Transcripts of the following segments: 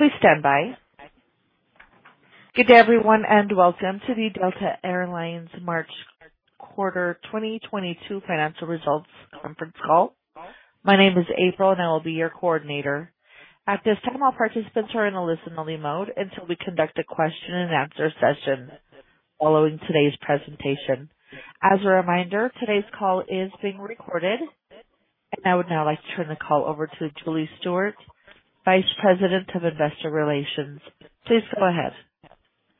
Please stand by. Good everyone, and welcome to the Delta Air Lines March Quarter 2022 Financial Results Conference Call. My name is April, and I will be your coordinator. At this time, all participants are in a listen only mode until we conduct a question and answer session following today's presentation. As a reminder, today's call is being recorded. I would now like to turn the call over to Julie Stewart, Vice President of Investor Relations. Please go ahead.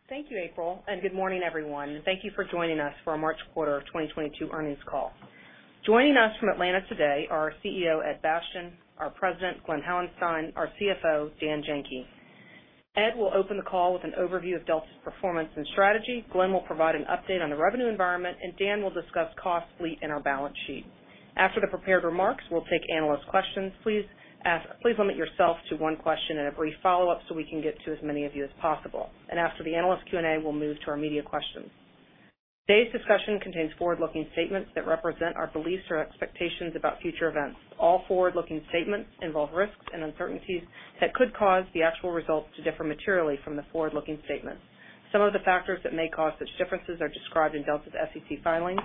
Thank you, April, and good morning, everyone. Thank you for joining us for our March Quarter of 2022 Earnings Call. Joining us from Atlanta today are our CEO, Ed Bastian, our President, Glen Hauenstein, our CFO, Dan Janki. Ed will open the call with an overview of Delta's performance and strategy. Glen will provide an update on the revenue environment, and Dan will discuss costs, fleet, and our balance sheet. After the prepared remarks, we'll take analyst questions. Please limit yourself to one question and a brief follow-up so we can get to as many of you as possible. After the analyst Q&A, we'll move to our media questions. Today's discussion contains forward-looking statements that represent our beliefs or expectations about future events. All forward-looking statements involve risks and uncertainties that could cause the actual results to differ materially from the forward-looking statements. Some of the factors that may cause such differences are described in Delta's SEC filings.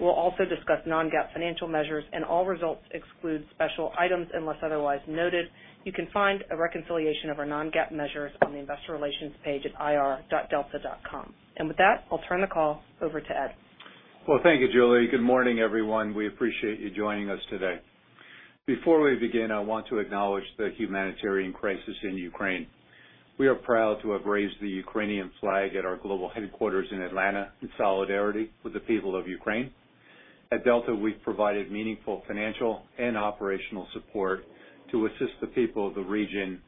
We'll also discuss non-GAAP financial measures, and all results exclude special items unless otherwise noted. You can find a reconciliation of our non-GAAP measures on the investor relations page at ir.delta.com. With that, I'll turn the call over to Ed. Well, thank you, Julie. Good morning, everyone. We appreciate you joining us today. Before we begin, I want to acknowledge the humanitarian crisis in Ukraine. We are proud to have raised the Ukrainian flag at our global headquarters in Atlanta in solidarity with the people of Ukraine. At Delta, we've provided meaningful financial and operational support to assist the people of the region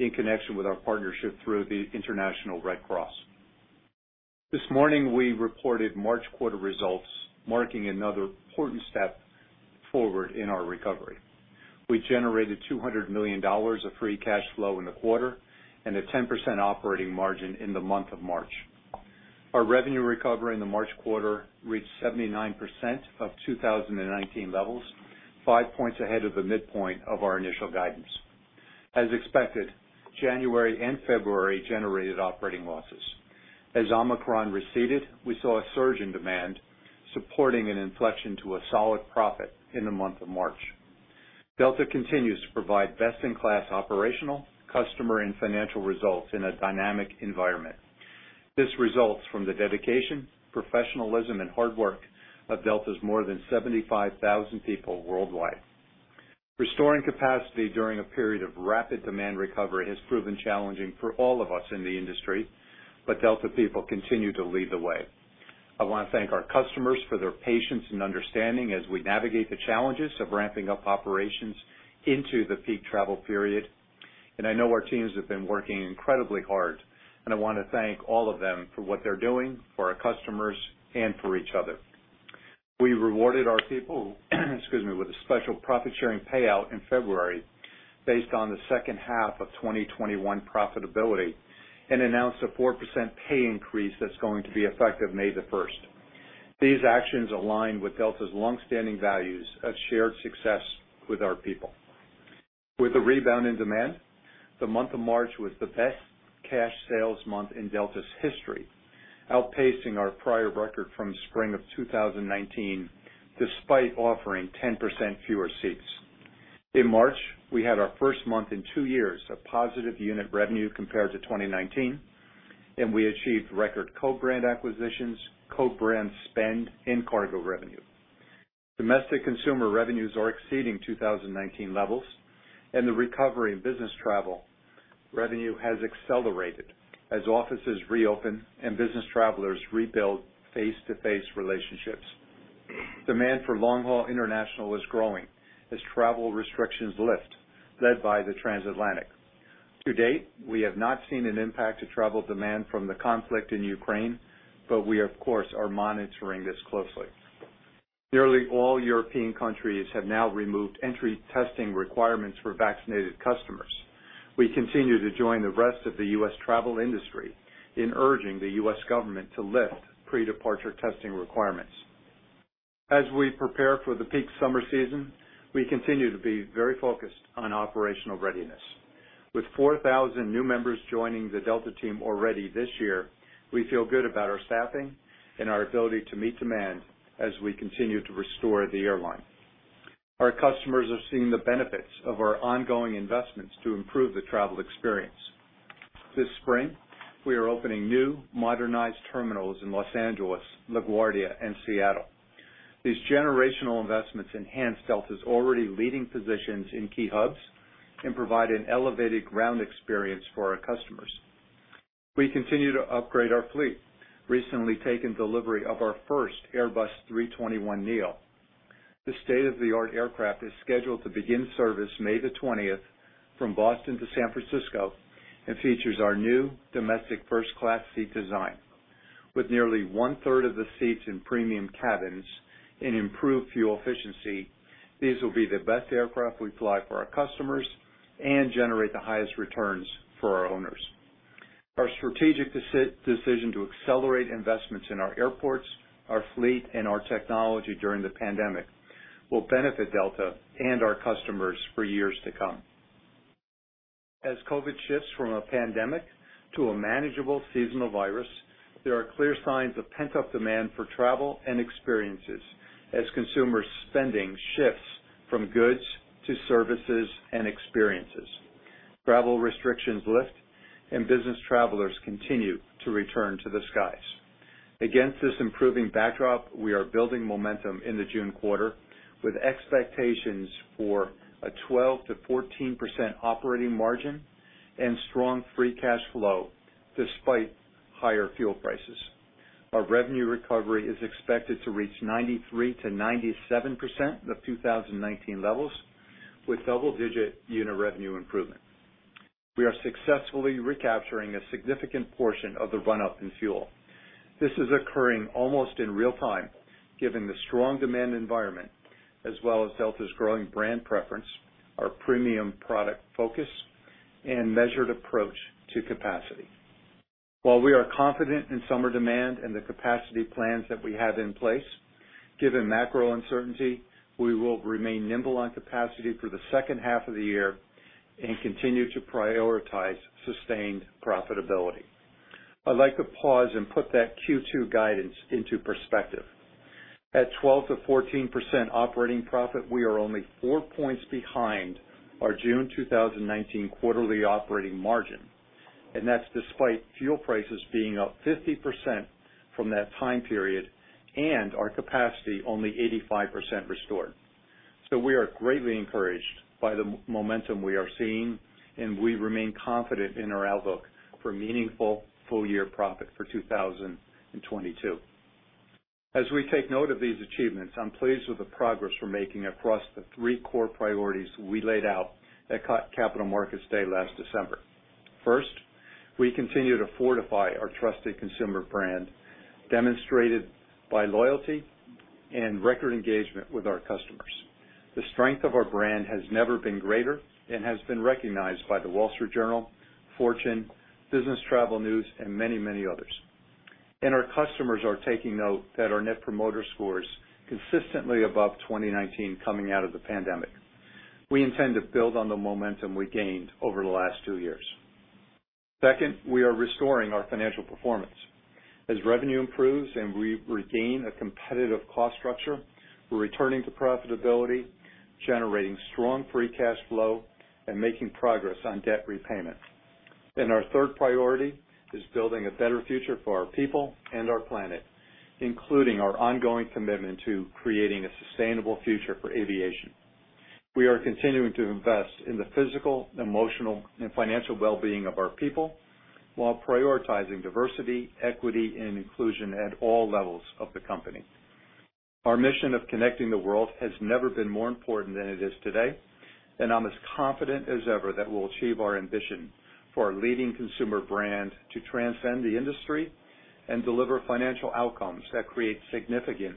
in connection with our partnership through the International Red Cross. This morning, we reported March quarter results, marking another important step forward in our recovery. We generated $200 million of free cash flow in the quarter and a 10% operating margin in the month of March. Our revenue recovery in the March quarter reached 79% of 2019 levels, five points ahead of the midpoint of our initial guidance. As expected, January and February generated operating losses. As Omicron receded, we saw a surge in demand, supporting an inflection to a solid profit in the month of March. Delta continues to provide best-in-class operational, customer, and financial results in a dynamic environment. This results from the dedication, professionalism, and hard work of Delta's more than 75,000 people worldwide. Restoring capacity during a period of rapid demand recovery has proven challenging for all of us in the industry, but Delta people continue to lead the way. I wanna thank our customers for their patience and understanding as we navigate the challenges of ramping up operations into the peak travel period. I know our teams have been working incredibly hard, and I wanna thank all of them for what they're doing for our customers and for each other. We rewarded our people, excuse me, with a special profit-sharing payout in February based on the second half of 2021 profitability and announced a 4% pay increase that's going to be effective May 1. These actions align with Delta's longstanding values of shared success with our people. With a rebound in demand, the month of March was the best cash sales month in Delta's history, outpacing our prior record from spring of 2019, despite offering 10% fewer seats. In March, we had our first month in two years of positive unit revenue compared to 2019, and we achieved record co-brand acquisitions, co-brand spend, and cargo revenue. Domestic consumer revenues are exceeding 2019 levels, and the recovery in business travel revenue has accelerated as offices reopen and business travelers rebuild face-to-face relationships. Demand for long-haul international is growing as travel restrictions lift, led by the transatlantic. To date, we have not seen an impact to travel demand from the conflict in Ukraine, but we of course are monitoring this closely. Nearly all European countries have now removed entry testing requirements for vaccinated customers. We continue to join the rest of the U.S. travel industry in urging the U.S. government to lift pre-departure testing requirements. As we prepare for the peak summer season, we continue to be very focused on operational readiness. With 4,000 new members joining the Delta team already this year, we feel good about our staffing and our ability to meet demand as we continue to restore the airline. Our customers are seeing the benefits of our ongoing investments to improve the travel experience. This spring, we are opening new modernized terminals in Los Angeles, LaGuardia, and Seattle. These generational investments enhance Delta's already leading positions in key hubs and provide an elevated ground experience for our customers. We continue to upgrade our fleet, recently taking delivery of our first Airbus A321neo. This state-of-the-art aircraft is scheduled to begin service May 20 from Boston to San Francisco and features our new domestic first class seat design. With nearly one-third of the seats in premium cabins and improved fuel efficiency, these will be the best aircraft we fly for our customers and generate the highest returns for our owners. Our strategic decision to accelerate investments in our airports, our fleet, and our technology during the pandemic will benefit Delta and our customers for years to come. As COVID shifts from a pandemic to a manageable seasonal virus, there are clear signs of pent-up demand for travel and experiences as consumer spending shifts from goods to services and experiences. Travel restrictions lift and business travelers continue to return to the skies. Against this improving backdrop, we are building momentum in the June quarter, with expectations for a 12%-14% operating margin and strong free cash flow despite higher fuel prices. Our revenue recovery is expected to reach 93%-97% of 2019 levels, with double-digit unit revenue improvement. We are successfully recapturing a significant portion of the run-up in fuel. This is occurring almost in real time, given the strong demand environment as well as Delta's growing brand preference, our premium product focus, and measured approach to capacity. While we are confident in summer demand and the capacity plans that we have in place, given macro uncertainty, we will remain nimble on capacity for the second half of the year and continue to prioritize sustained profitability. I'd like to pause and put that Q2 guidance into perspective. At 12%-14% operating profit, we are only four points behind our June 2019 quarterly operating margin, and that's despite fuel prices being up 50% from that time period and our capacity only 85% restored. We are greatly encouraged by the momentum we are seeing, and we remain confident in our outlook for meaningful full-year profit for 2022. As we take note of these achievements, I'm pleased with the progress we're making across the three core priorities we laid out at Capital Markets Day last December. First, we continue to fortify our trusted consumer brand, demonstrated by loyalty and record engagement with our customers. The strength of our brand has never been greater and has been recognized by The Wall Street Journal, Fortune, Business Travel News, and many, many others. Our customers are taking note that our Net Promoter Score's consistently above 2019 coming out of the pandemic. We intend to build on the momentum we gained over the last two years. Second, we are restoring our financial performance. As revenue improves and we regain a competitive cost structure, we're returning to profitability, generating strong free cash flow, and making progress on debt repayment. Our third priority is building a better future for our people and our planet, including our ongoing commitment to creating a sustainable future for aviation. We are continuing to invest in the physical, emotional, and financial well-being of our people while prioritizing diversity, equity, and inclusion at all levels of the company. Our mission of connecting the world has never been more important than it is today, and I'm as confident as ever that we'll achieve our ambition for our leading consumer brand to transcend the industry and deliver financial outcomes that create significant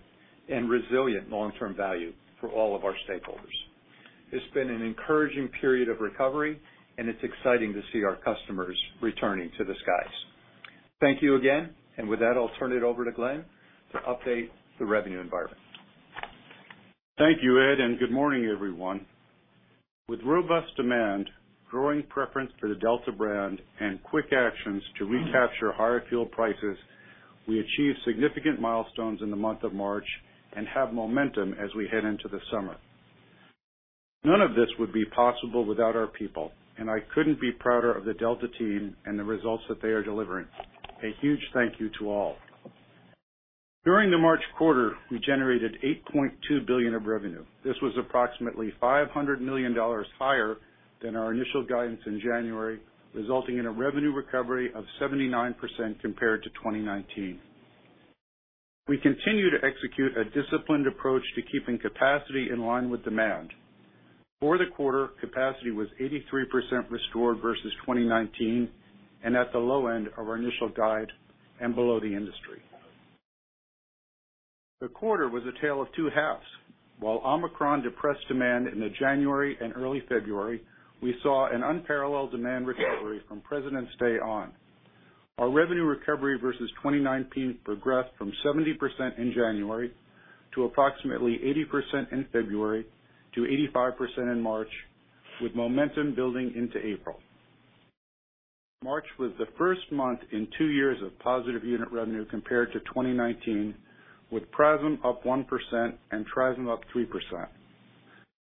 and resilient long-term value for all of our stakeholders. It's been an encouraging period of recovery, and it's exciting to see our customers returning to the skies. Thank you again, and with that, I'll turn it over to Glen to update the revenue environment. Thank you, Ed, and good morning, everyone. With robust demand, growing preference for the Delta brand, and quick actions to recapture higher fuel prices, we achieved significant milestones in the month of March and have momentum as we head into the summer. None of this would be possible without our people, and I couldn't be prouder of the Delta team and the results that they are delivering. A huge thank you to all. During the March quarter, we generated $8.2 billion of revenue. This was approximately $500 million higher than our initial guidance in January, resulting in a revenue recovery of 79% compared to 2019. We continue to execute a disciplined approach to keeping capacity in line with demand. For the quarter, capacity was 83% restored versus 2019 and at the low end of our initial guide and below the industry. The quarter was a tale of two halves. While Omicron depressed demand in January and early February, we saw an unparalleled demand recovery from President's Day on. Our revenue recovery versus 2019 progressed from 70% in January to approximately 80% in February to 85% in March, with momentum building into April. March was the first month in two years of positive unit revenue compared to 2019, with PRASM up 1% and TRASM up 3%.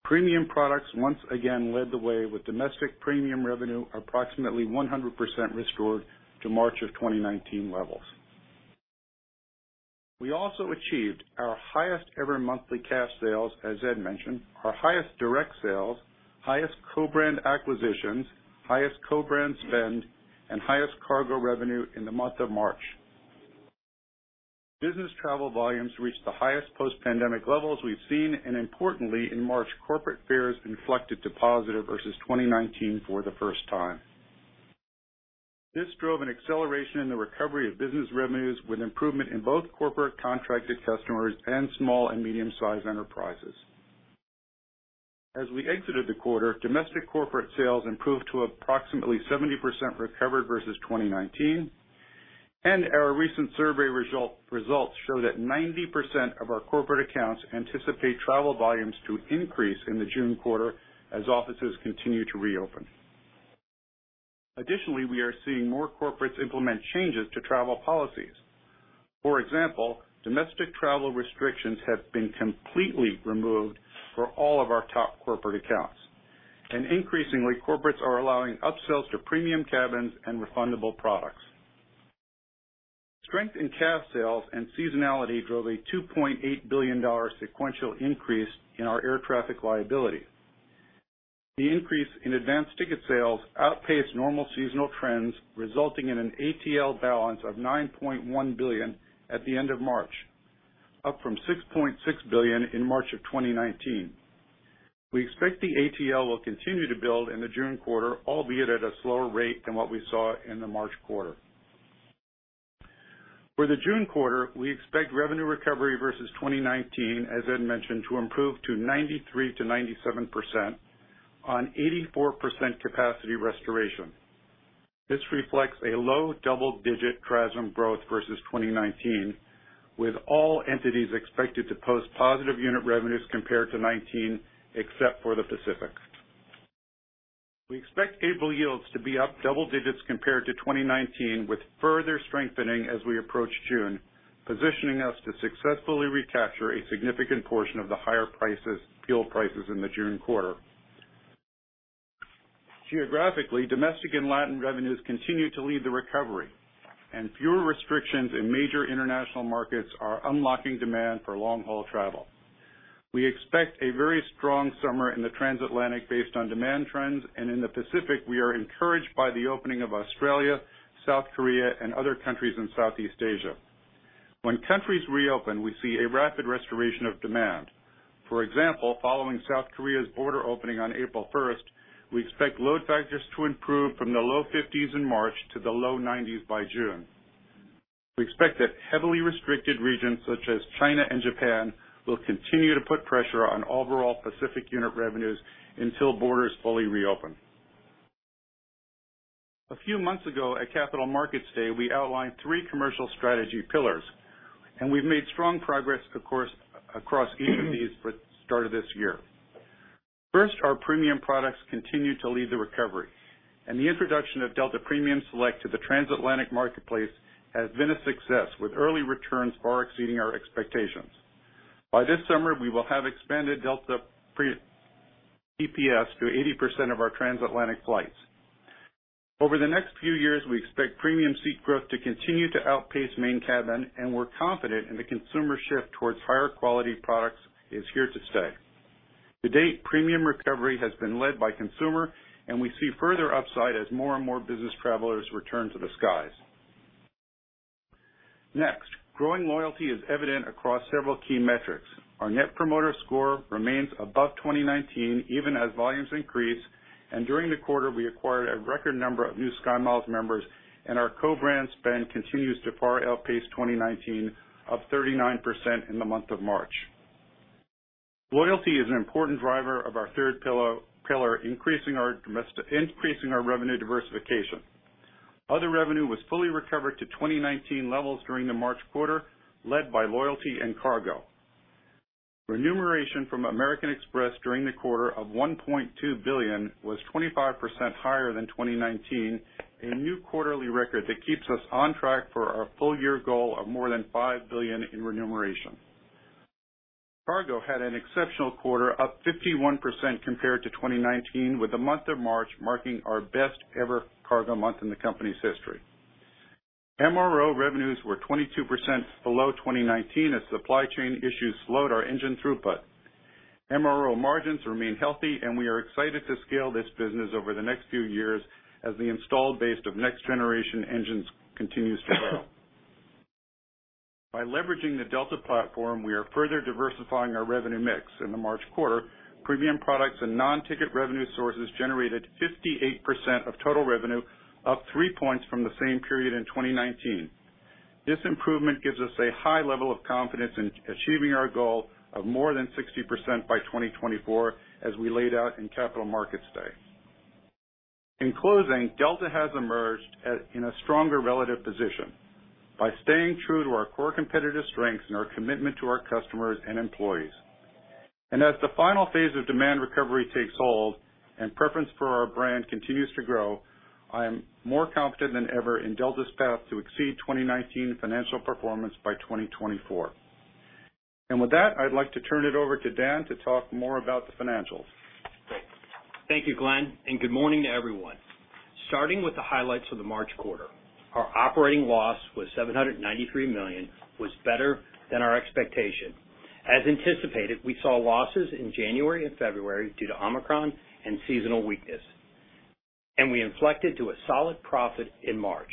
Premium products once again led the way with domestic premium revenue approximately 100% restored to March of 2019 levels. We also achieved our highest ever monthly cash sales, as Ed mentioned, our highest direct sales, highest co-brand acquisitions, highest co-brand spend, and highest cargo revenue in the month of March. Business travel volumes reached the highest post-pandemic levels we've seen, and importantly, in March, corporate fares inflected to positive versus 2019 for the first time. This drove an acceleration in the recovery of business revenues with improvement in both corporate contracted customers and small and medium-sized enterprises. As we exited the quarter, domestic corporate sales improved to approximately 70% recovered versus 2019. Our recent survey results show that 90% of our corporate accounts anticipate travel volumes to increase in the June quarter as offices continue to reopen. Additionally, we are seeing more corporates implement changes to travel policies. For example, domestic travel restrictions have been completely removed for all of our top corporate accounts. Increasingly, corporates are allowing upsells to premium cabins and refundable products. Strength in cash sales and seasonality drove a $2.8 billion sequential increase in our Air Traffic Liability. The increase in advanced ticket sales outpaced normal seasonal trends, resulting in an ATL balance of $9.1 billion at the end of March, up from $6.6 billion in March of 2019. We expect the ATL will continue to build in the June quarter, albeit at a slower rate than what we saw in the March quarter. For the June quarter, we expect revenue recovery versus 2019, as Ed mentioned, to improve to 93%-97% on 84% capacity restoration. This reflects a low double-digit TRASM growth versus 2019, with all entities expected to post positive unit revenues compared to 2019, except for the Pacific. We expect April yields to be up double digits compared to 2019, with further strengthening as we approach June, positioning us to successfully recapture a significant portion of the higher prices, fuel prices in the June quarter. Geographically, domestic and Latin revenues continue to lead the recovery, and fewer restrictions in major international markets are unlocking demand for long-haul travel. We expect a very strong summer in the transatlantic based on demand trends, and in the Pacific, we are encouraged by the opening of Australia, South Korea, and other countries in Southeast Asia. When countries reopen, we see a rapid restoration of demand. For example, following South Korea's border opening on April first, we expect load factors to improve from the low 50s in March to the low 90s by June. We expect that heavily restricted regions such as China and Japan will continue to put pressure on overall Pacific unit revenues until borders fully reopen. A few months ago, at Capital Markets Day, we outlined three commercial strategy pillars, and we've made strong progress, of course, across each of these for the start of this year. First, our premium products continue to lead the recovery, and the introduction of Delta Premium Select to the transatlantic marketplace has been a success, with early returns far exceeding our expectations. By this summer, we will have expanded DPS to 80% of our transatlantic flights. Over the next few years, we expect premium seat growth to continue to outpace main cabin, and we're confident in the consumer shift towards higher quality products is here to stay. To date, premium recovery has been led by consumer, and we see further upside as more and more business travelers return to the skies. Next, growing loyalty is evident across several key metrics. Our Net Promoter Score remains above 2019 even as volumes increase. During the quarter, we acquired a record number of new SkyMiles members, and our co-brand spend continues to far outpace 2019, up 39% in the month of March. Loyalty is an important driver of our third pillar, increasing our revenue diversification. Other revenue was fully recovered to 2019 levels during the March quarter, led by loyalty and cargo. Remuneration from American Express during the quarter of $1.2 billion was 25% higher than 2019, a new quarterly record that keeps us on track for our full-year goal of more than $5 billion in remuneration. Cargo had an exceptional quarter, up 51% compared to 2019, with the month of March marking our best ever cargo month in the company's history. MRO revenues were 22% below 2019 as supply chain issues slowed our engine throughput. MRO margins remain healthy, and we are excited to scale this business over the next few years as the installed base of next generation engines continues to grow. By leveraging the Delta platform, we are further diversifying our revenue mix. In the March quarter, premium products and non-ticket revenue sources generated 58% of total revenue, up 3 points from the same period in 2019. This improvement gives us a high level of confidence in achieving our goal of more than 60% by 2024, as we laid out in Capital Markets Day. In closing, Delta has emerged in a stronger relative position by staying true to our core competitive strengths and our commitment to our customers and employees. As the final phase of demand recovery takes hold and preference for our brand continues to grow, I am more confident than ever in Delta's path to exceed 2019 financial performance by 2024. With that, I'd like to turn it over to Dan to talk more about the financials. Thank you, Glen, and good morning to everyone. Starting with the highlights of the March quarter. Our operating loss was $793 million, was better than our expectation. As anticipated, we saw losses in January and February due to Omicron and seasonal weakness. We inflected to a solid profit in March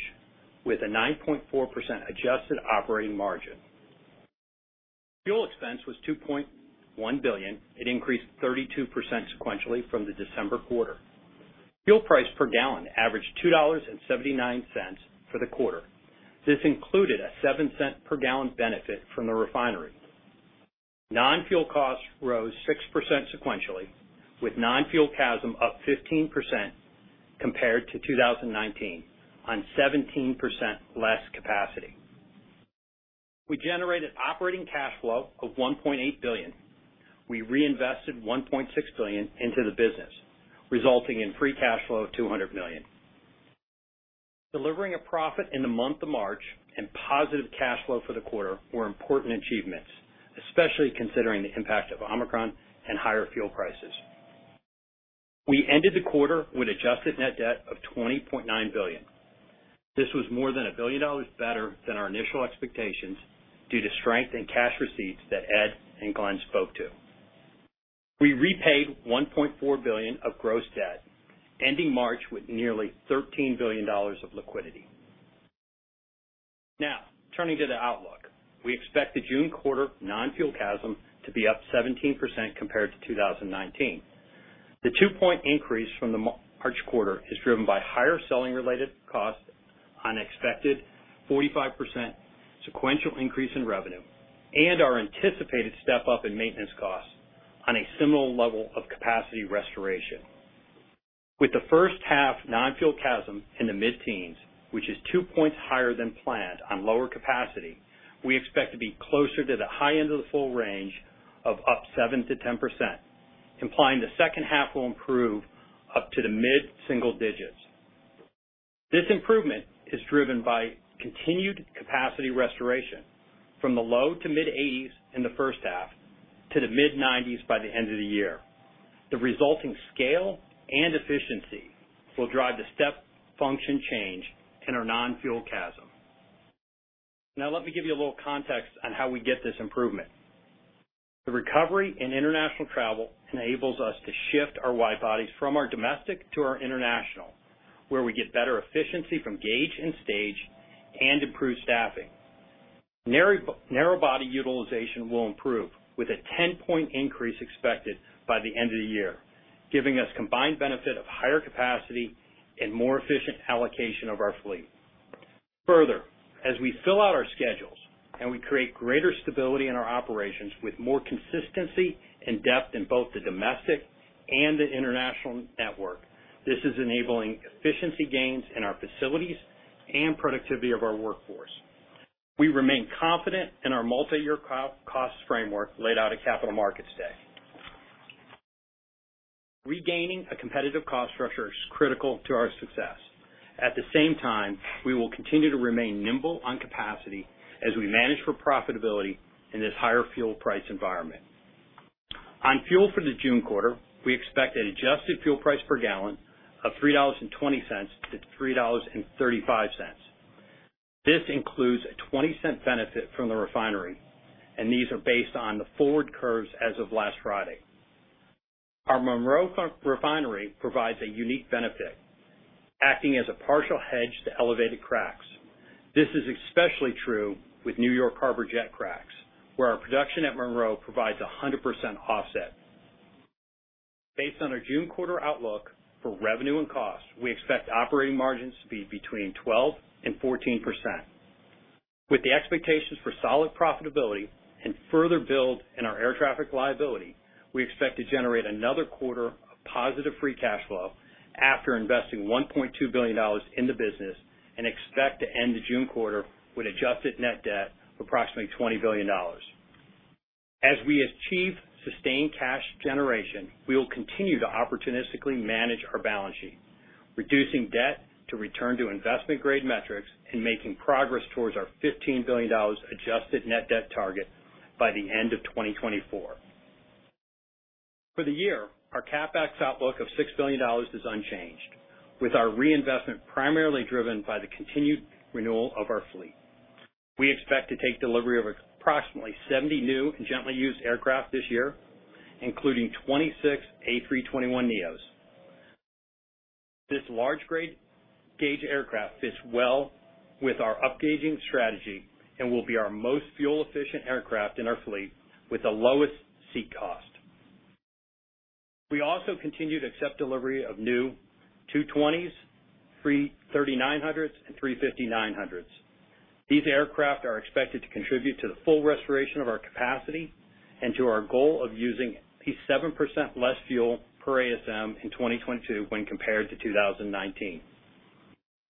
with a 9.4% adjusted operating margin. Fuel expense was $2.1 billion. It increased 32% sequentially from the December quarter. Fuel price per gallon averaged $2.79 for the quarter. This included a $0.07 per gallon benefit from the refinery. Non-fuel costs rose 6% sequentially, with non-fuel CASM up 15% compared to 2019 on 17% less capacity. We generated operating cash flow of $1.8 billion. We reinvested $1.6 billion into the business, resulting in free cash flow of $200 million. Delivering a profit in the month of March and positive cash flow for the quarter were important achievements, especially considering the impact of Omicron and higher fuel prices. We ended the quarter with adjusted net debt of $20.9 billion. This was more than $1 billion better than our initial expectations due to strength in cash receipts that Ed and Glen spoke to. We repaid $1.4 billion of gross debt, ending March with nearly $13 billion of liquidity. Now, turning to the outlook. We expect the June quarter non-fuel CASM to be up 17% compared to 2019. The 2-point increase from the March quarter is driven by higher selling-related costs on expected 45% sequential increase in revenue and our anticipated step-up in maintenance costs on a similar level of capacity restoration. With the first half non-fuel CASM in the mid-teens, which is two points higher than planned on lower capacity, we expect to be closer to the high end of the full range of up 7%-10%, implying the second half will improve up to the mid-single digits. This improvement is driven by continued capacity restoration from the low-to-mid-80s in the first half to the mid-90s by the end of the year. The resulting scale and efficiency will drive the step function change in our non-fuel CASM. Now, let me give you a little context on how we get this improvement. The recovery in international travel enables us to shift our wide-bodies from our domestic to our international, where we get better efficiency from gauge and stage and improve staffing. Narrow body utilization will improve with a 10-point increase expected by the end of the year, giving us combined benefit of higher capacity and more efficient allocation of our fleet. Further, as we fill out our schedules and we create greater stability in our operations with more consistency and depth in both the domestic and the international network, this is enabling efficiency gains in our facilities and productivity of our workforce. We remain confident in our multi-year cost framework laid out at Capital Markets Day. Regaining a competitive cost structure is critical to our success. At the same time, we will continue to remain nimble on capacity as we manage for profitability in this higher fuel price environment. On fuel for the June quarter, we expect an adjusted fuel price per gallon of $3.20-$3.35. This includes a $0.20 benefit from the refinery, and these are based on the forward curves as of last Friday. Our Monroe refinery provides a unique benefit, acting as a partial hedge to elevated cracks. This is especially true with New York Harbor jet cracks, where our production at Monroe provides a 100% offset. Based on our June quarter outlook for revenue and cost, we expect operating margins to be between 12% and 14%. With the expectations for solid profitability and further build in our Air Traffic Liability, we expect to generate another quarter of positive free cash flow after investing $1.2 billion in the business and expect to end the June quarter with adjusted net debt of approximately $20 billion. As we achieve sustained cash generation, we will continue to opportunistically manage our balance sheet, reducing debt to return to investment-grade metrics and making progress towards our $15 billion adjusted net debt target by the end of 2024. For the year, our CapEx outlook of $6 billion is unchanged, with our reinvestment primarily driven by the continued renewal of our fleet. We expect to take delivery of approximately 70 new and gently used aircraft this year, including 26 A321neos. This large gauge aircraft fits well with our upgauging strategy and will be our most fuel-efficient aircraft in our fleet with the lowest seat cost. We also continue to accept delivery of new A220s, A330-900s, and A350-900s. These aircraft are expected to contribute to the full restoration of our capacity and to our goal of using at least 7% less fuel per ASM in 2022 when compared to 2019.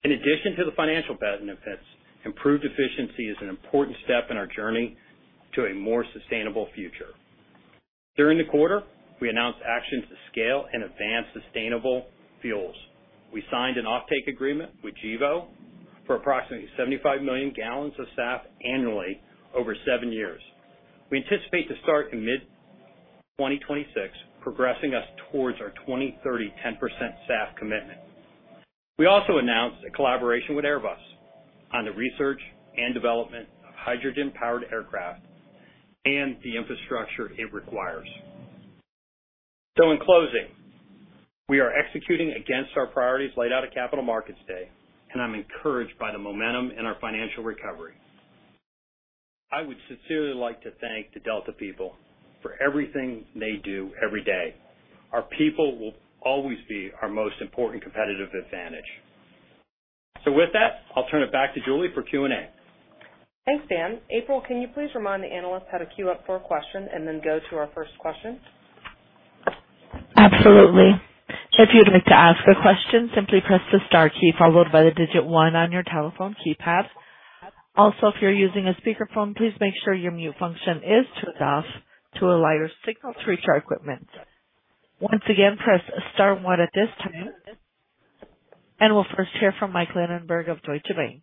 In addition to the financial benefits, improved efficiency is an important step in our journey to a more sustainable future. During the quarter, we announced actions to scale and advance sustainable fuels. We signed an offtake agreement with Gevo for approximately 75 million gallons of SAF annually over 7 years. We anticipate to start in mid-2026, progressing us towards our 2030 10% SAF commitment. We also announced a collaboration with Airbus on the research and development of hydrogen-powered aircraft and the infrastructure it requires. In closing, we are executing against our priorities laid out at Capital Markets Day, and I'm encouraged by the momentum in our financial recovery. I would sincerely like to thank the Delta people for everything they do every day. Our people will always be our most important competitive advantage. With that, I'll turn it back to Julie for Q&A. Thanks, Dan. April, can you please remind the analysts how to queue up for a question and then go to our first question? Absolutely. If you'd like to ask a question, simply press the star key followed by the digit one on your telephone keypad. Also, if you're using a speakerphone, please make sure your mute function is turned off to allow your signal to reach our equipment. Once again, press star one at this time. We'll first hear from Michael Linenberg of Deutsche Bank.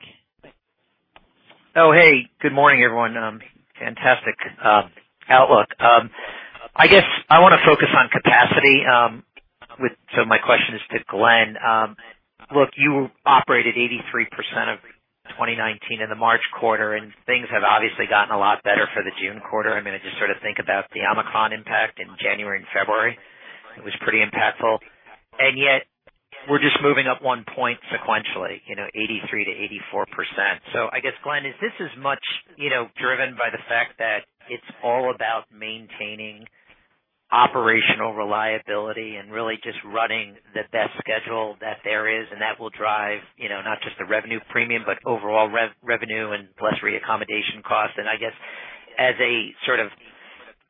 Oh, hey, good morning, everyone. Fantastic outlook. I guess I wanna focus on capacity, so my question is to Glen. Look, you operated 83% of 2019 in the March quarter, and things have obviously gotten a lot better for the June quarter. I mean, I just sort of think about the Omicron impact in January and February. It was pretty impactful. Yet we're just moving up one point sequentially, you know, 83%-84%. I guess, Glen, is this as much, you know, driven by the fact that it's all about maintaining operational reliability and really just running the best schedule that there is, and that will drive, you know, not just the revenue premium, but overall revenue and less reaccommodation costs? I guess as a sort of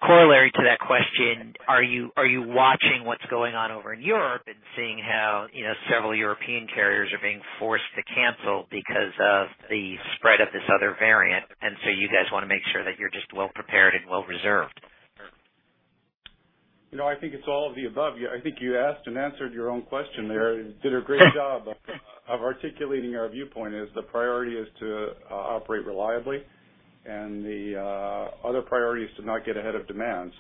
corollary to that question, are you watching what's going on over in Europe and seeing how, you know, several European carriers are being forced to cancel because of the spread of this other variant, and so you guys wanna make sure that you're just well prepared and well reserved? You know, I think it's all of the above. Yeah, I think you asked and answered your own question there. You did a great job of articulating our viewpoint is the priority is to operate reliably, and the other priority is to not get ahead of demand.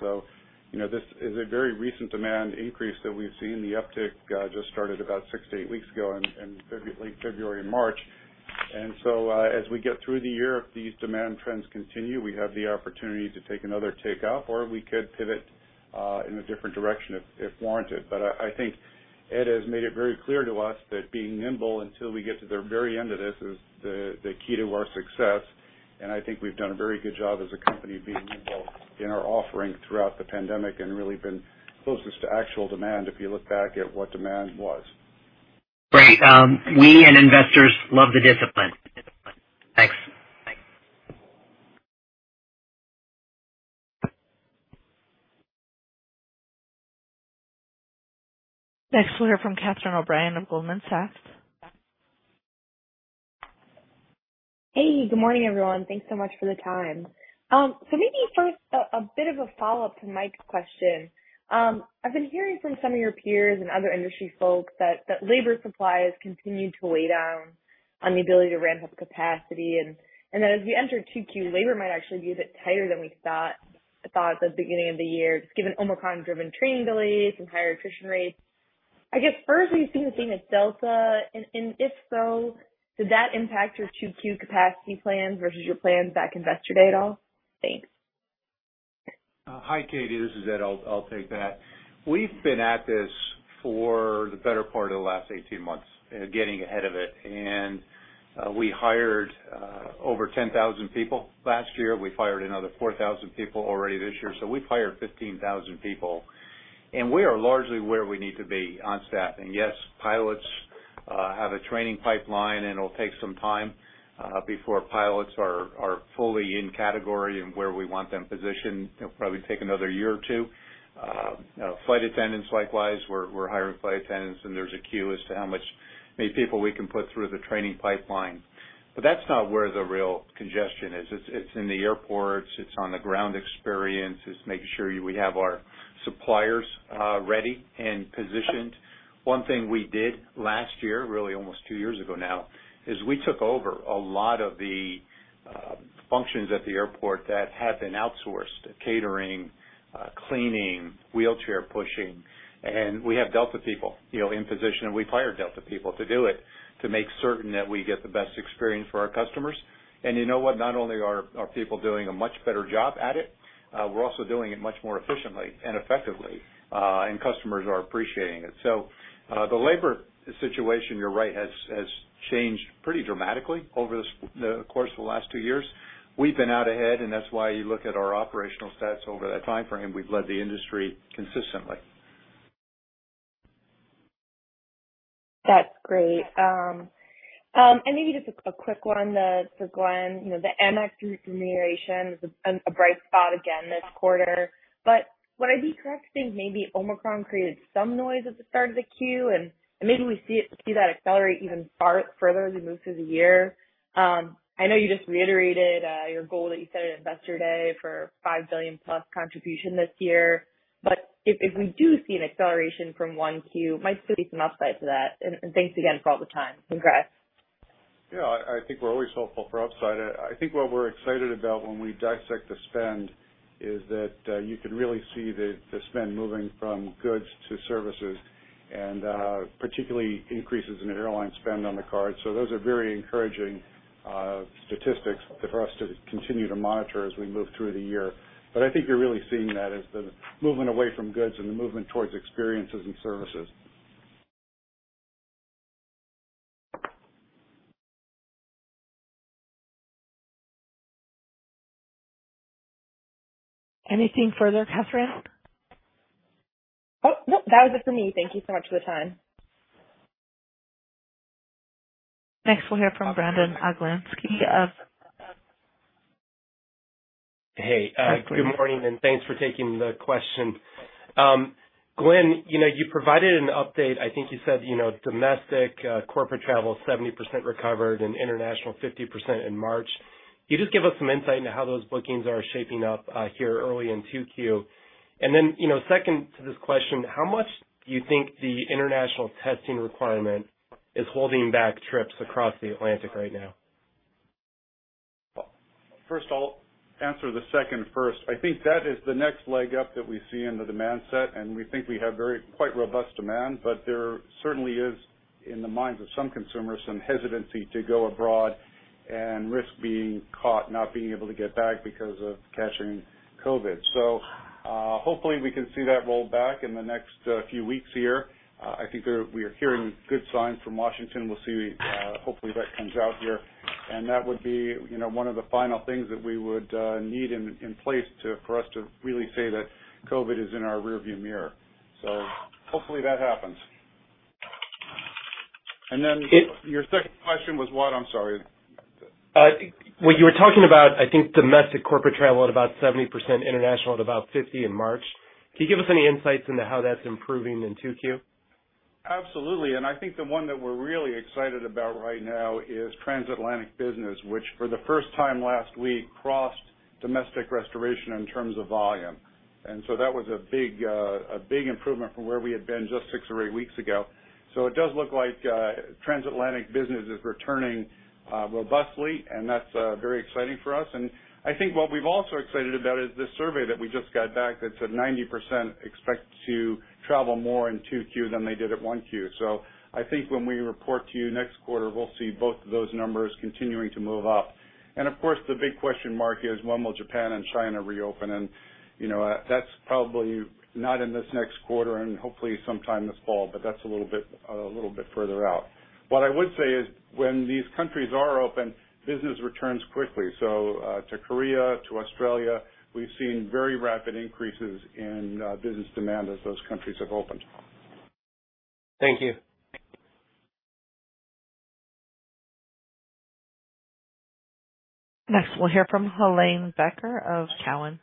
You know, this is a very recent demand increase that we've seen. The uptick just started about six-eight weeks ago in late February and March. As we get through the year, if these demand trends continue, we have the opportunity to take another tick up, or we could pivot in a different direction if warranted. But I think Ed has made it very clear to us that being nimble until we get to the very end of this is the key to our success. I think we've done a very good job as a company being nimble in our offering throughout the pandemic and really been closest to actual demand if you look back at what demand was. Great. We and investors love the discipline. Thanks. Next we'll hear from Catherine O'Brien of Goldman Sachs. Hey, good morning, everyone. Thanks so much for the time. So maybe first a bit of a follow-up to Mike's question. I've been hearing from some of your peers and other industry folks that labor supply has continued to weigh down on the ability to ramp up capacity, and that as we enter 2Q, labor might actually be a bit tighter than we thought at the beginning of the year, just given Omicron-driven training delays and higher attrition rates. I guess, first, are you seeing the same at Delta? If so, does that impact your 2Q capacity plans versus your plans back in Investor Day at all? Thanks. Hi, Katie. This is Ed. I'll take that. We've been at this for the better part of the last 18 months, getting ahead of it. We hired over 10,000 people last year. We've hired another 4,000 people already this year. We've hired 15,000 people. We are largely where we need to be on staffing. Yes, pilots have a training pipeline, and it'll take some time before pilots are fully in category and where we want them positioned. It'll probably take another year or two. Flight attendants, likewise. We're hiring flight attendants, and there's a queue as to many people we can put through the training pipeline. But that's not where the real congestion is. It's in the airports. It's on the ground experience. It's making sure we have our suppliers ready and positioned. One thing we did last year, really almost two years ago now, is we took over a lot of the functions at the airport that had been outsourced. The catering, cleaning, wheelchair pushing, and we have Delta people, you know, in position, and we've hired Delta people to do it, to make certain that we get the best experience for our customers. You know what? Not only are people doing a much better job at it, we're also doing it much more efficiently and effectively, and customers are appreciating it. The labor situation, you're right, has changed pretty dramatically over this, the course of the last two years. We've been out ahead, and that's why you look at our operational stats over that timeframe. We've led the industry consistently. That's great. Maybe just a quick one to Glen. You know, the Amex remuneration was a bright spot again this quarter. Would I be correct in thinking maybe Omicron created some noise at the start of the Q? Maybe we see that accelerate even further as we move through the year. I know you just reiterated your goal that you set at Investor Day for $5 billion plus contribution this year. If we do see an acceleration from Q1, might still be some upside to that. Thanks again for all the time. Congrats. Yeah, I think we're always hopeful for upside. I think what we're excited about when we dissect the spend is that you can really see the spend moving from goods to services and particularly increases in airline spend on the card. Those are very encouraging statistics for us to continue to monitor as we move through the year. I think you're really seeing that as the movement away from goods and the movement towards experiences and services. Anything further, Catherine? Oh, nope. That was it for me. Thank you so much for the time. Next, we'll hear from Brandon Oglenski of Barclays. Hey. Hi, Brandon. Good morning, and thanks for taking the question. Glen, you know, you provided an update. I think you said, you know, domestic corporate travel is 70% recovered and international 50% in March. Can you just give us some insight into how those bookings are shaping up here early in 2Q? And then, you know, second to this question, how much do you think the international testing requirement is holding back trips across the Atlantic right now? Well, first, I'll answer the second first. I think that is the next leg up that we see in the demand set, and we think we have quite robust demand. But there certainly is, in the minds of some consumers, some hesitancy to go abroad and risk being caught not being able to get back because of catching COVID. Hopefully we can see that roll back in the next few weeks here. I think we are hearing good signs from Washington. We'll see, hopefully that comes out here. That would be, you know, one of the final things that we would need in place for us to really say that COVID is in our rearview mirror. So hopefully that happens. Then- It- Your second question was what? I'm sorry. You were talking about, I think, domestic corporate travel at about 70%, international at about 50% in March. Can you give us any insights into how that's improving in 2Q? Absolutely. I think the one that we're really excited about right now is transatlantic business, which, for the first time last week, crossed domestic restoration in terms of volume. That was a big improvement from where we had been just 6 or 8 weeks ago. It does look like transatlantic business is returning robustly, and that's very exciting for us. I think what we're also excited about is this survey that we just got back that said 90% expect to travel more in 2Q than they did in 1Q. I think when we report to you next quarter, we'll see both of those numbers continuing to move up. Of course, the big question mark is when will Japan and China reopen? You know, that's probably not in this next quarter and hopefully sometime this fall, but that's a little bit further out. What I would say is, when these countries are open, business returns quickly. To Korea, to Australia, we've seen very rapid increases in business demand as those countries have opened. Thank you. Next, we'll hear from Helane Becker of Cowen.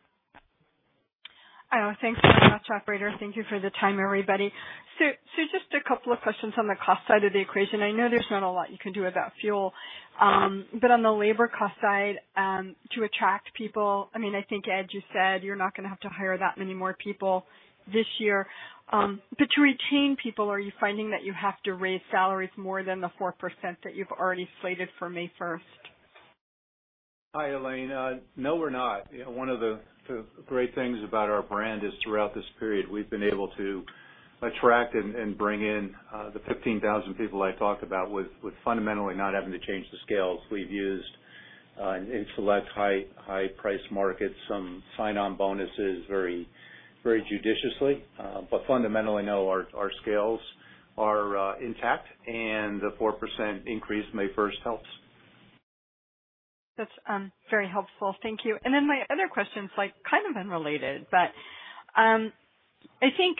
Thanks so much, operator. Thank you for the time, everybody. Just a couple of questions on the cost side of the equation. I know there's not a lot you can do about fuel. On the labor cost side, to attract people, I mean, I think, Ed, you said you're not gonna have to hire that many more people this year. To retain people, are you finding that you have to raise salaries more than the 4% that you've already slated for May first? Hi, Helane. No, we're not. You know, one of the great things about our brand is throughout this period, we've been able to attract and bring in the 15,000 people I talked about with fundamentally not having to change the scales. We've used in select high-price markets some sign-on bonuses very judiciously. Fundamentally, no, our scales are intact, and the 4% increase May first helps. That's very helpful. Thank you. Then my other question's, like, kind of unrelated, but I think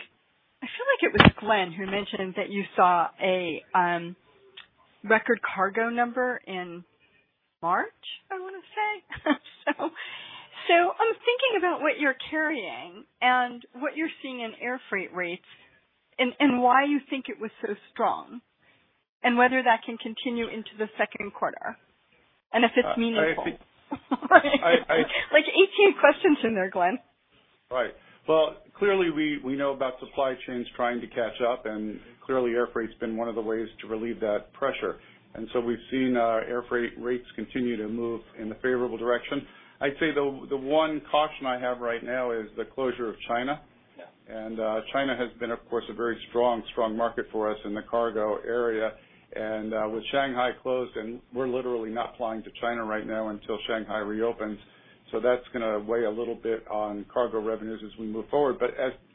I feel like it was Glen who mentioned that you saw a record cargo number in March, I wanna say. I'm thinking about what you're carrying and what you're seeing in airfreight rates and why you think it was so strong and whether that can continue into the second quarter, and if it's meaningful. I- Like, 18 questions in there, Glen. Right. Well, clearly we know about supply chains trying to catch up, and clearly airfreight's been one of the ways to relieve that pressure. We've seen our airfreight rates continue to move in a favorable direction. I'd say the one caution I have right now is the closure of China. Yeah. China has been, of course, a very strong market for us in the cargo area. With Shanghai closed, we're literally not flying to China right now until Shanghai reopens. That's gonna weigh a little bit on cargo revenues as we move forward.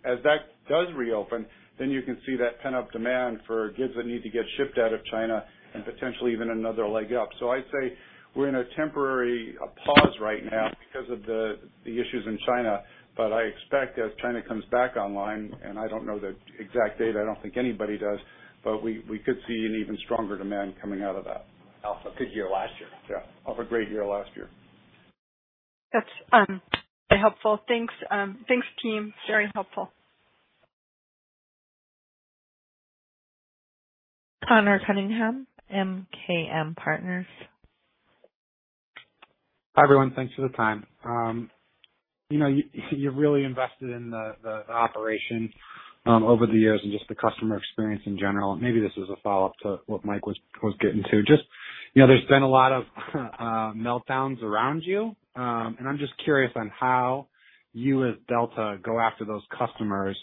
As that does reopen, then you can see that pent-up demand for goods that need to get shipped out of China and potentially even another leg up. I'd say we're in a temporary pause right now because of the issues in China, but I expect as China comes back online, and I don't know the exact date, I don't think anybody does, but we could see an even stronger demand coming out of that. Off a good year last year. Yeah. Off a great year last year. That's helpful. Thanks. Thanks, team. Very helpful. Conor Cunningham, MKM Partners. Hi, everyone. Thanks for the time. You know, you really invested in the operation over the years and just the customer experience in general. Maybe this is a follow-up to what Mike was getting to. Just, you know, there's been a lot of meltdowns around you. I'm just curious on how you, as Delta, go after those customers,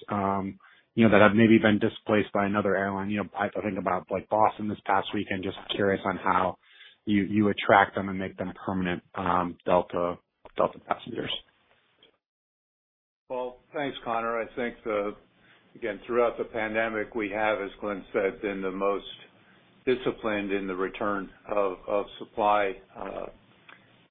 you know, that have maybe been displaced by another airline. You know, I think about, like, Boston this past weekend. Just curious on how you attract them and make them permanent Delta passengers. Well, thanks, Conor. I think again, throughout the pandemic, we have, as Glen said, been the most disciplined in the return of supply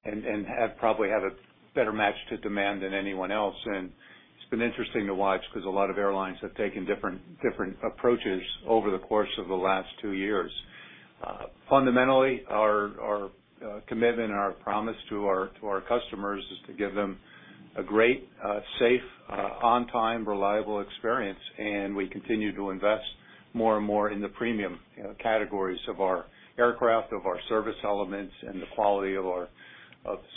and have probably had a better match to demand than anyone else. It's been interesting to watch because a lot of airlines have taken different approaches over the course of the last two years. Fundamentally, our commitment and our promise to our customers is to give them a great, safe, on-time, reliable experience. We continue to invest more and more in the premium, you know, categories of our aircraft, of our service elements, and the quality of the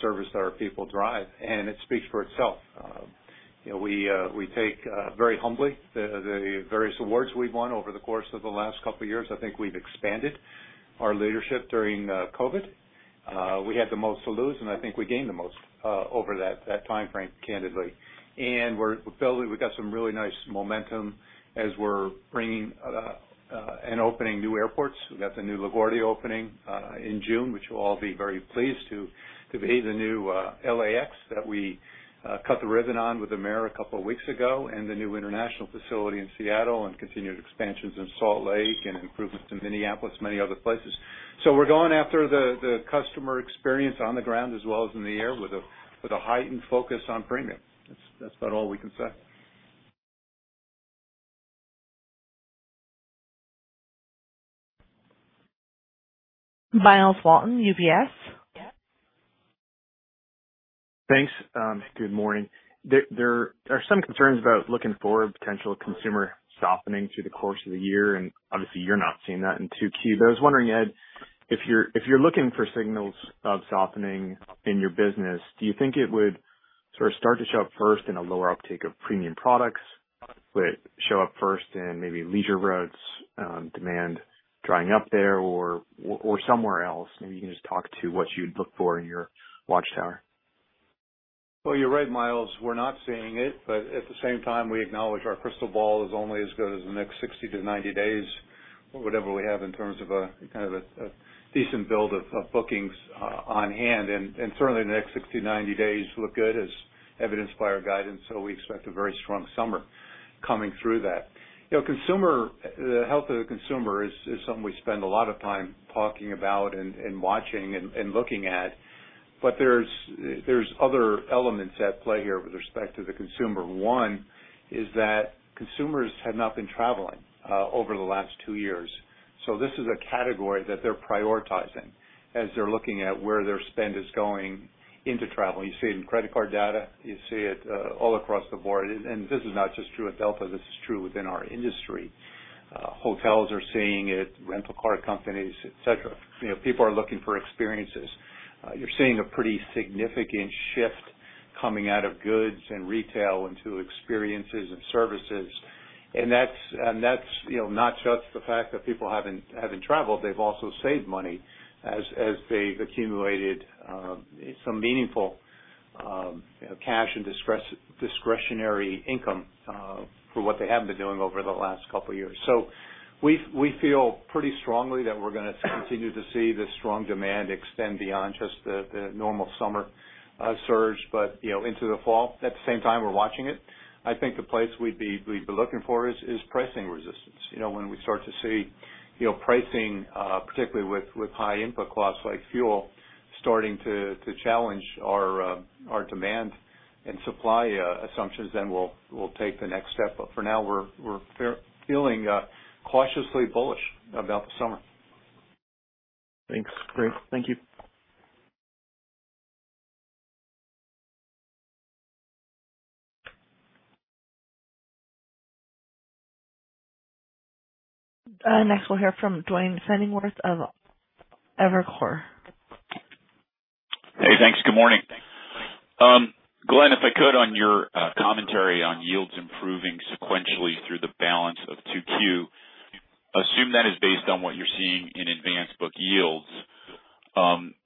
service that our people drive. It speaks for itself. You know we take very humbly the various awards we've won over the course of the last couple of years. I think we've expanded our leadership during COVID. We had the most to lose, and I think we gained the most over that time frame, candidly. We've got some really nice momentum as we're bringing and opening new airports. We've got the new LaGuardia opening in June, which we'll all be very pleased to be the new LAX that we cut the ribbon on with Mayor a couple of weeks ago, and the new international facility in Seattle and continued expansions in Salt Lake and improvements in Minneapolis, many other places. We're going after the customer experience on the ground as well as in the air with a heightened focus on premium. That's about all we can say. Myles Walton, UBS. Thanks. Good morning. There are some concerns about looking for potential consumer softening through the course of the year, and obviously you're not seeing that in 2Q. I was wondering, Ed, if you're looking for signals of softening in your business, do you think it would sort of start to show up first in a lower uptake of premium products? Would show up first in maybe leisure routes, demand drying up there or somewhere else? Maybe you can just talk to what you'd look for in your watch tower. Well, you're right, Miles. We're not seeing it, but at the same time, we acknowledge our crystal ball is only as good as the next 60 to 90 days or whatever we have in terms of a decent build of bookings on hand. Certainly the next 60, 90 days look good as evidenced by our guidance. We expect a very strong summer coming through that. You know, the health of the consumer is something we spend a lot of time talking about and watching and looking at. There's other elements at play here with respect to the consumer. One is that consumers had not been traveling over the last two years. This is a category that they're prioritizing as they're looking at where their spend is going into travel. You see it in credit card data, you see it all across the board. This is not just true at Delta, this is true within our industry. Hotels are seeing it, rental car companies, et cetera. You know, people are looking for experiences. You're seeing a pretty significant shift coming out of goods and retail into experiences and services. That's, you know, not just the fact that people haven't traveled. They've also saved money as they've accumulated some meaningful cash and discretionary income for what they have been doing over the last couple of years. We feel pretty strongly that we're gonna continue to see this strong demand extend beyond just the normal summer surge, but, you know, into the fall. At the same time, we're watching it. I think the place we'd be looking for is pricing resistance. You know, when we start to see, you know, pricing, particularly with high input costs like fuel starting to challenge our demand and supply assumptions, then we'll take the next step. For now, we're feeling cautiously bullish about the summer. Thanks. Great. Thank you. Next we'll hear from Duane Pfennigwerth of Evercore ISI. Hey, thanks. Good morning. Glen, if I could, on your commentary on yields improving sequentially through the balance of 2Q, assume that is based on what you're seeing in advanced book yields.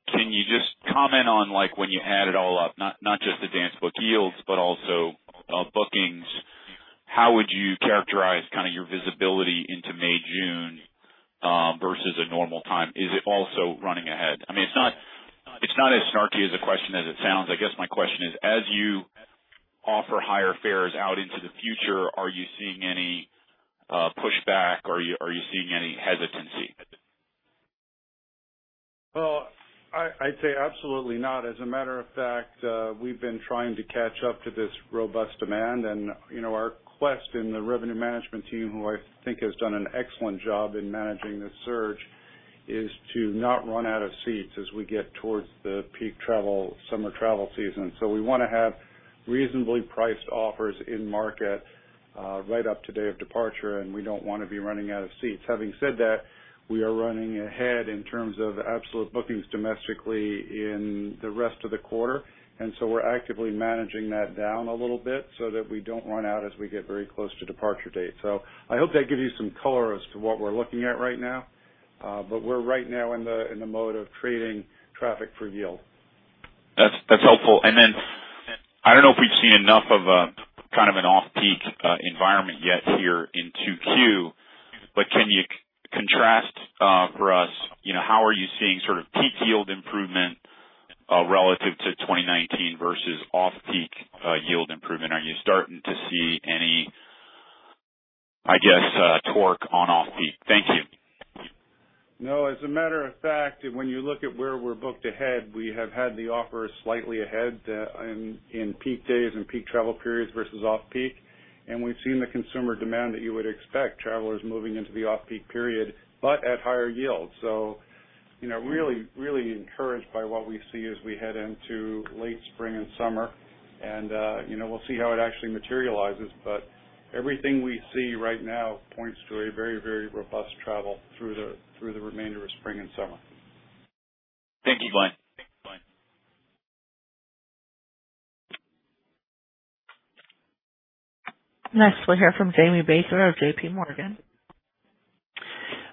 Can you just comment on, like, when you add it all up, not just advanced book yields, but also bookings, how would you characterize kind of your visibility into May, June versus a normal time? Is it also running ahead? I mean, it's not as snarky as a question as it sounds. I guess my question is, as you offer higher fares out into the future, are you seeing any pushback? Are you seeing any hesitancy? Well, I'd say absolutely not. As a matter of fact, we've been trying to catch up to this robust demand. You know, our quest in the revenue management team, who I think has done an excellent job in managing this surge, is to not run out of seats as we get towards the peak travel, summer travel season. We wanna have reasonably priced offers in market, right up to date of departure, and we don't wanna be running out of seats. Having said that, we are running ahead in terms of absolute bookings domestically in the rest of the quarter, and we're actively managing that down a little bit so that we don't run out as we get very close to departure date. I hope that gives you some color as to what we're looking at right now. We're right now in the mode of trading traffic for yield. That's helpful. I don't know if we've seen enough of a kind of an off-peak environment yet here in 2Q, but can you contrast for us, you know, how are you seeing sort of peak yield improvement relative to 2019 versus off-peak yield improvement? Are you starting to see any, I guess, torque on off-peak? Thank you. No, as a matter of fact, when you look at where we're booked ahead, we have had the offers slightly ahead in peak days and peak travel periods versus off-peak. We've seen the consumer demand that you would expect, travelers moving into the off-peak period, but at higher yields. You know, really encouraged by what we see as we head into late spring and summer. You know, we'll see how it actually materializes. Everything we see right now points to a very robust travel through the remainder of spring and summer. Thank you, Glen. Next, we'll hear from Jamie Baker of J.P. Morgan.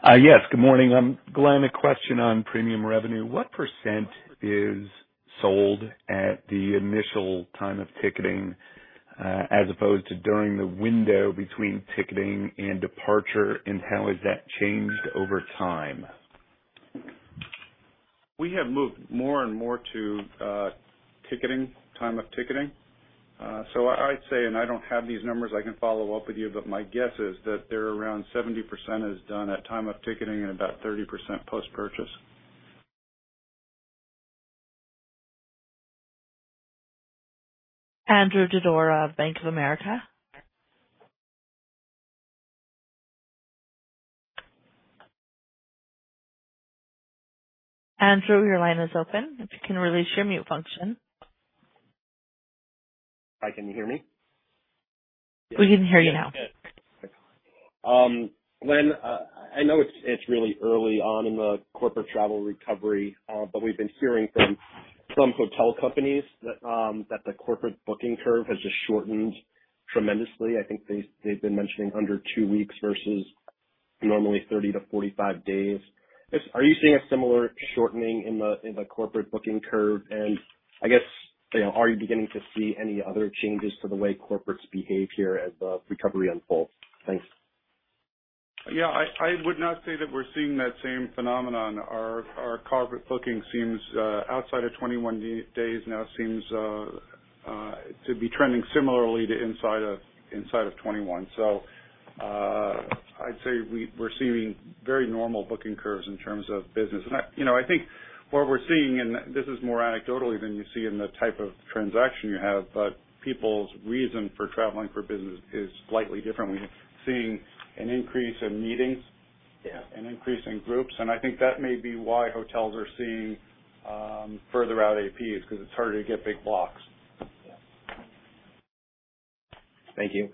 Yes, good morning. Glen, a question on premium revenue. What percent is sold at the initial time of ticketing, as opposed to during the window between ticketing and departure? How has that changed over time? We have moved more and more to ticketing, time of ticketing. I'd say, and I don't have these numbers, I can follow up with you, but my guess is that they're around 70% is done at time of ticketing and about 30% post-purchase. Andrew Didora of Bank of America. Andrew, your line is open if you can release your mute function. Hi, can you hear me? We can hear you now. Glen, I know it's really early on in the corporate travel recovery, but we've been hearing from some hotel companies that the corporate booking curve has just shortened tremendously. I think they've been mentioning under two weeks versus normally 30-45 days. Are you seeing a similar shortening in the corporate booking curve? I guess, you know, are you beginning to see any other changes to the way corporates behave here as the recovery unfolds? Thanks. Yeah. I would not say that we're seeing that same phenomenon. Our corporate booking seems outside of 21 D-days now seems to be trending similarly to inside of twenty-one. I'd say we're seeing very normal booking curves in terms of business. I you know I think what we're seeing, and this is more anecdotally than you see in the type of transaction you have, but people's reason for traveling for business is slightly different. We're seeing an increase in meetings. Yeah. An increase in groups, and I think that may be why hotels are seeing further out APs because it's harder to get big blocks. Thank you.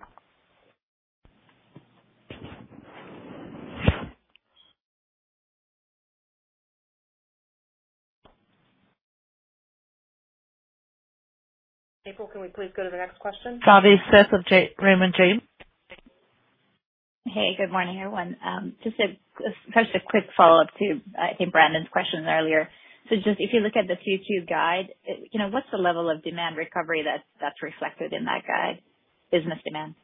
April, can we please go to the next question? Savanthi Syth of Raymond James. Hey, good morning, everyone. Just a quick follow-up to, I think Brandon's question earlier. Just if you look at the Q2 guide, you know, what's the level of demand recovery that's reflected in that guide? Business demand.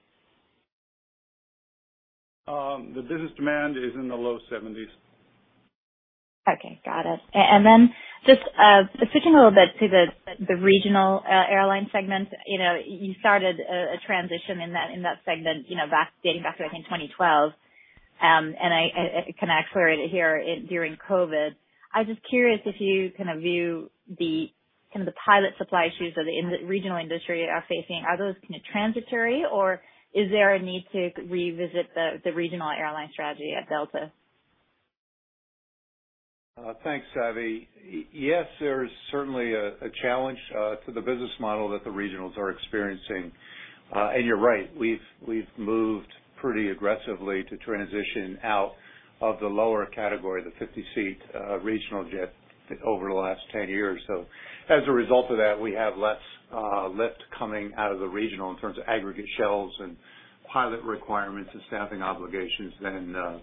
The business demand is in the low 70s%. Okay. Got it. Switching a little bit to the regional airline segment. You know, you started a transition in that segment, you know, dating back to, I think, 2012. I can accelerate it here during COVID. I'm just curious if you kind of view some of the pilot supply issues that the regional industry are facing. Are those kind of transitory or is there a need to revisit the regional airline strategy at Delta? Thanks, Savi. Yes, there's certainly a challenge to the business model that the regionals are experiencing. You're right, we've moved pretty aggressively to transition out of the lower category, the 50-seat regional jet over the last 10 years. As a result of that, we have less lift coming out of the regional in terms of aggregate shelves and pilot requirements and staffing obligations than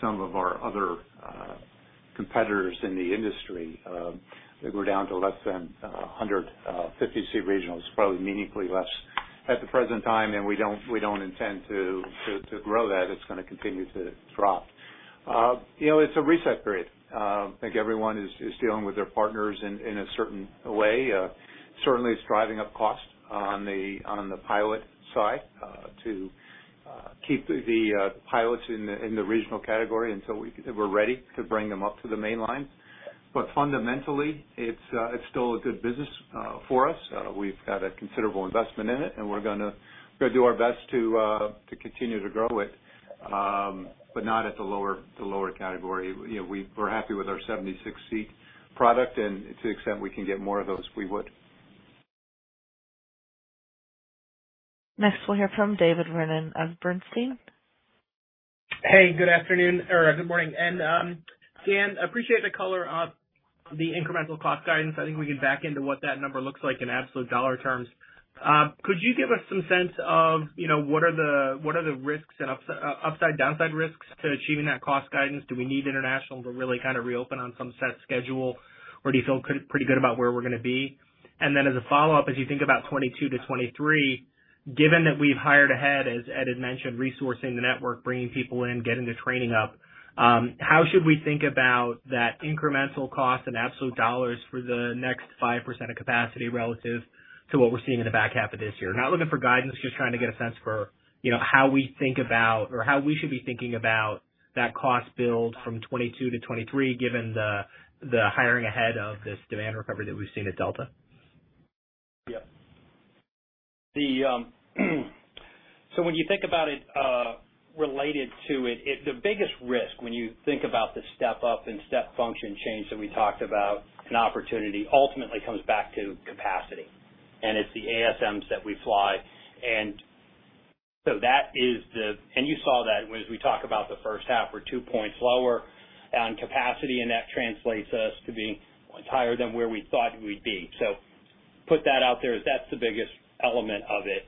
some of our other competitors in the industry that go down to less than a 100 50-seat regionals, probably meaningfully less at the present time, and we don't intend to grow that. It's gonna continue to drop. You know, it's a reset period. I think everyone is dealing with their partners in a certain way. Certainly it's driving up costs on the pilot side to keep the pilots in the regional category until we're ready to bring them up to the mainline. Fundamentally, it's still a good business for us. We've had a considerable investment in it, and we're gonna do our best to continue to grow it, but not at the lower category. You know, we're happy with our 76-seat product and to the extent we can get more of those, we would. Next, we'll hear from David Vernon of Bernstein. Hey, good afternoon or good morning. Dan, I appreciate the color on the incremental cost guidance. I think we can back into what that number looks like in absolute dollar terms. Could you give us some sense of what are the risks and upside downside risks to achieving that cost guidance? Do we need international to really kind of reopen on some set schedule, or do you feel pretty good about where we're gonna be? Then as a follow-up, as you think about 2022 to 2023 given that we've hired ahead, as Ed had mentioned, resourcing the network, bringing people in, getting the training up, how should we think about that incremental cost and absolute dollars for the next 5% of capacity relative to what we're seeing in the back half of this year? Not looking for guidance, just trying to get a sense for, you know, how we think about or how we should be thinking about that cost build from 2022 to 2023, given the hiring ahead of this demand recovery that we've seen at Delta. Yeah. The so when you think about it, related to it, the biggest risk when you think about the step-up and step function change that we talked about and opportunity ultimately comes back to capacity. It's the ASMs that we fly. That is the. You saw that as we talk about the first half, we're two points lower on capacity, and that translates us to being higher than where we thought we'd be. Put that out there as that's the biggest element of it.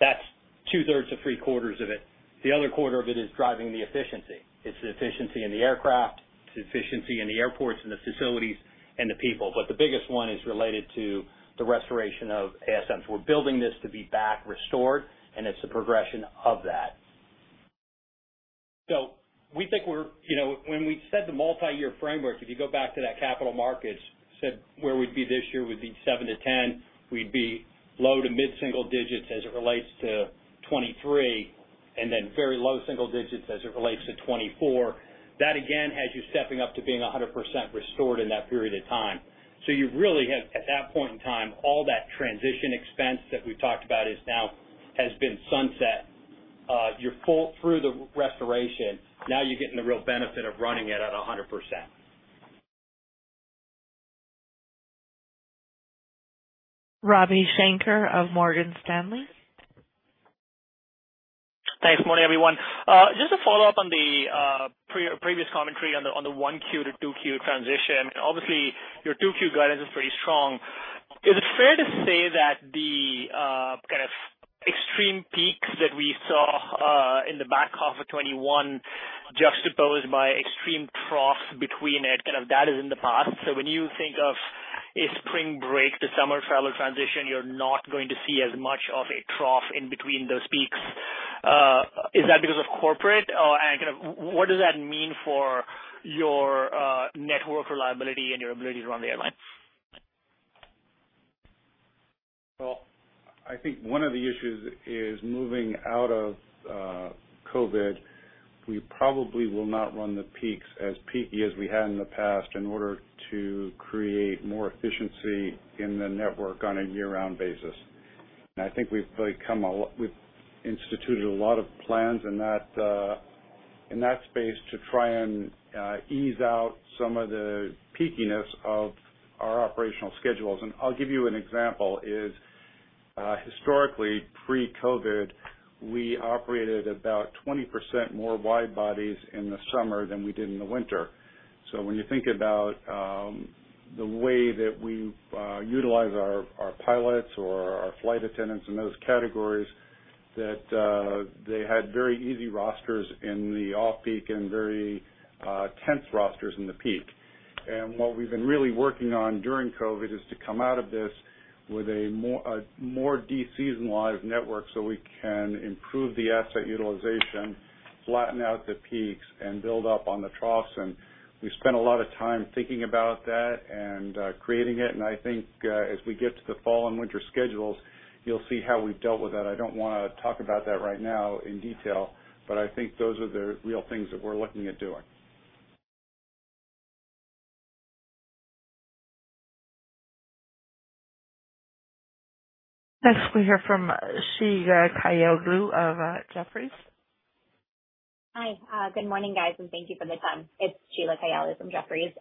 That's two-thirds to three-quarters of it. The other quarter of it is driving the efficiency. It's the efficiency in the aircraft, it's efficiency in the airports and the facilities and the people. The biggest one is related to the restoration of ASMs. We're building this to be back restored, and it's the progression of that. We think we're, you know, when we set the multiyear framework, if you go back to that Capital Markets Day said where we'd be this year, we'd be 7%-10%. We'd be low- to mid-single digits as it relates to 2023, and then very low single digits as it relates to 2024. That, again, has you stepping up to being 100% restored in that period of time. You really have, at that point in time, all that transition expense that we've talked about has been sunset. You're fully through the restoration. Now you're getting the real benefit of running it at 100%. Ravi Shanker of Morgan Stanley. Thanks. Morning, everyone. Just to follow up on the previous commentary on the 1Q to 2Q transition. Obviously, your 2Q guidance is pretty strong. Is it fair to say that the kind of extreme peaks that we saw in the back half of 2021, juxtaposed by extreme troughs between it, kind of that is in the past? When you think of a spring break to summer travel transition, you're not going to see as much of a trough in between those peaks. Is that because of corporate? Or, and kind of what does that mean for your network reliability and your ability to run the airline? Well, I think one of the issues is moving out of COVID. We probably will not run the peaks as peaky as we had in the past in order to create more efficiency in the network on a year-round basis. I think we've really instituted a lot of plans in that space to try and ease out some of the peakiness of our operational schedules. I'll give you an example is, historically, pre-COVID, we operated about 20% more wide bodies in the summer than we did in the winter. When you think about the way that we utilize our pilots or our flight attendants in those categories, that they had very easy rosters in the off-peak and very tense rosters in the peak. What we've been really working on during COVID is to come out of this with a more de-seasonalized network so we can improve the asset utilization, flatten out the peaks, and build up on the troughs. We spent a lot of time thinking about that and creating it. I think as we get to the fall and winter schedules, you'll see how we've dealt with that. I don't wanna talk about that right now in detail, but I think those are the real things that we're looking at doing. Next we hear from Sheila Kahyaoglu of Jefferies. Hi, good morning, guys, and thank you for the time. It's Sheila Kahyaoglu from Jefferies.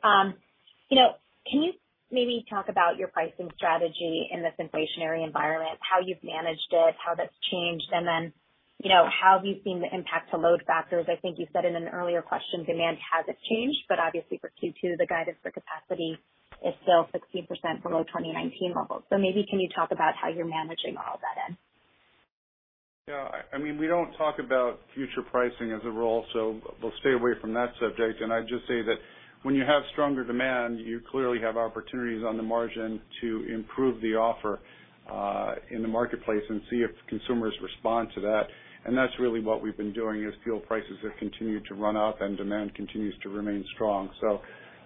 You know, can you maybe talk about your pricing strategy in this inflationary environment, how you've managed it, how that's changed, and then, you know, how have you seen the impact to load factors? I think you said in an earlier question, demand hasn't changed, but obviously for Q2, the guidance for capacity is still 16% below 2019 levels. Maybe can you talk about how you're managing all of that in? Yeah, I mean, we don't talk about future pricing as a rule, so we'll stay away from that subject. I'd just say that when you have stronger demand, you clearly have opportunities on the margin to improve the offer, in the marketplace and see if consumers respond to that. That's really what we've been doing, as fuel prices have continued to run up and demand continues to remain strong.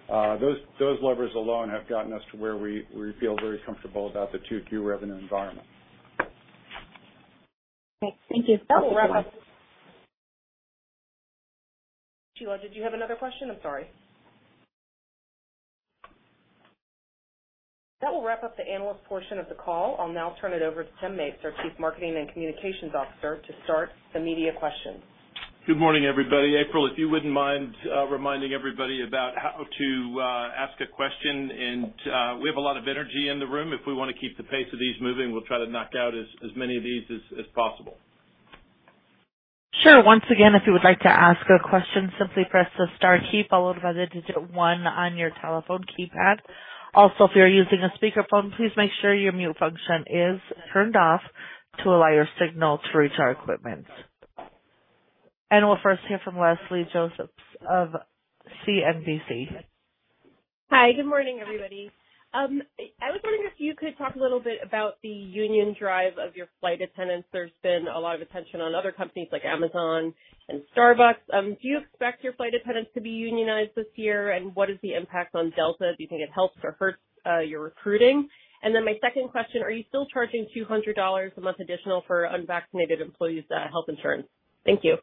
Those levers alone have gotten us to where we feel very comfortable about the 2Q revenue environment. Okay. Thank you. Sheila, did you have another question? I'm sorry. That will wrap up the analyst portion of the call. I'll now turn it over to Tim Mapes, our Chief Marketing and Communications Officer, to start the media questions. Good morning, everybody. April, if you wouldn't mind, reminding everybody about how to ask a question. We have a lot of energy in the room. If we wanna keep the pace of these moving, we'll try to knock out as many of these as possible. Sure. Once again if you would want to ask questions, simply press the star key followed by the digit one on your telephone keypad. And also, if you're using a smartphone, please make sure your mute function is turned off to allow your signal to reach our equipment. We'll first hear from Leslie Josephs of CNBC. Hi, good morning, everybody. I was wondering if you could talk a little bit about the union drive of your flight attendants. There's been a lot of attention on other companies like Amazon and Starbucks. Do you expect your flight attendants to be unionized this year? What is the impact on Delta? Do you think it helps or hurts your recruiting? My second question, are you still charging $200 a month additional for unvaccinated employees health insurance? Thank you.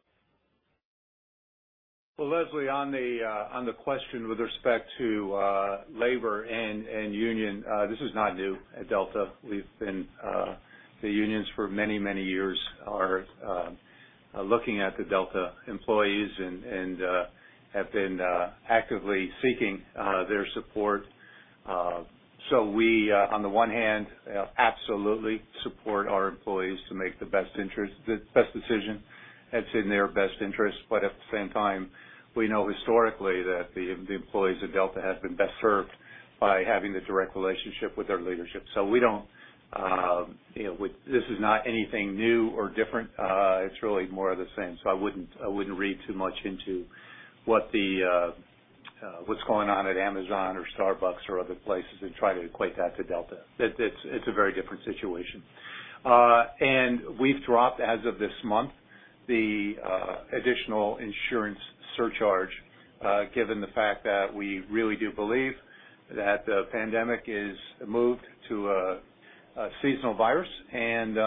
Well, Leslie, on the question with respect to labor and union, this is not new at Delta. The unions for many, many years have been looking at the Delta employees and have been actively seeking their support. We on the one hand absolutely support our employees to make the best decision that's in their best interest. At the same time, we know historically that the employees at Delta have been best served by having the direct relationship with their leadership. We don't, you know. This is not anything new or different. It's really more of the same. I wouldn't read too much into what's going on at Amazon or Starbucks or other places and try to equate that to Delta. It's a very different situation. We've dropped, as of this month, the additional insurance surcharge, given the fact that we really do believe that the pandemic has moved to a seasonal virus, and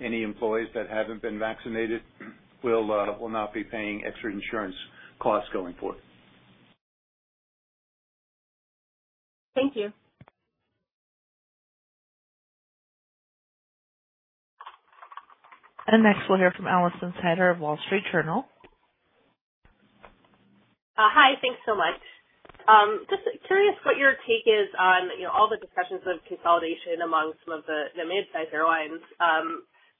any employees that haven't been vaccinated will not be paying extra insurance costs going forward. Thank you. Next, we'll hear from Alison Sider of Wall Street Journal. Hi, thanks so much. Just curious what your take is on, you know, all the discussions of consolidation among some of the midsize airlines,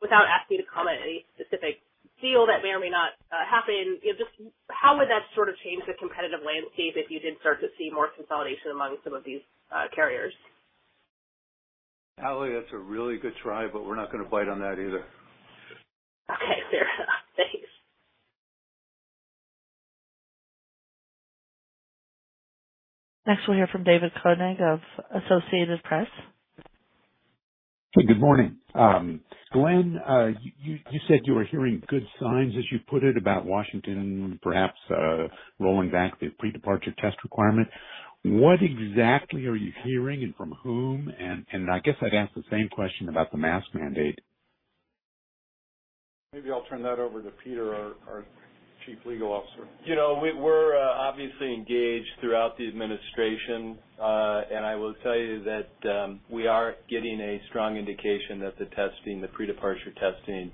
without asking you to comment on any specific deal that may or may not happen. You know, just how would that sort of change the competitive landscape if you did start to see more consolidation among some of these carriers? Alison, that's a really good try, but we're not gonna bite on that either. Okay. Fair enough. Thanks. Next, we'll hear from David Koenig of Associated Press. Hey, good morning. Glen, you said you were hearing good signs, as you put it, about Washington perhaps rolling back the pre-departure test requirement. What exactly are you hearing and from whom? I guess I'd ask the same question about the mask mandate. Maybe I'll turn that over to Peter, our Chief Legal Officer. You know, we're obviously engaged throughout the administration. I will tell you that we are getting a strong indication that the testing, the pre-departure testing,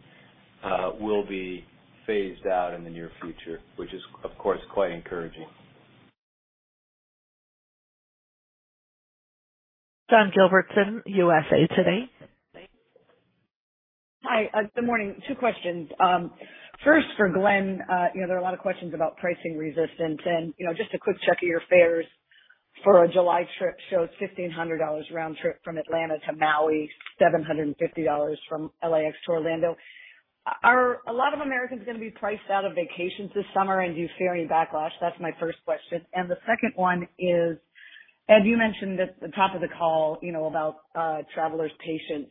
will be phased out in the near future, which is, of course, quite encouraging. Dawn Gilbertson, USA Today. Hi, good morning. Two questions. First for Glen. You know, there are a lot of questions about pricing resistance and, you know, just a quick check of your fares for a July trip shows $1,500 round trip from Atlanta to Maui, $750 from LAX to Orlando. Are a lot of Americans gonna be priced out of vacations this summer, and do you fear any backlash? That's my first question. The second one is, Ed, you mentioned at the top of the call, you know, about travelers' patience.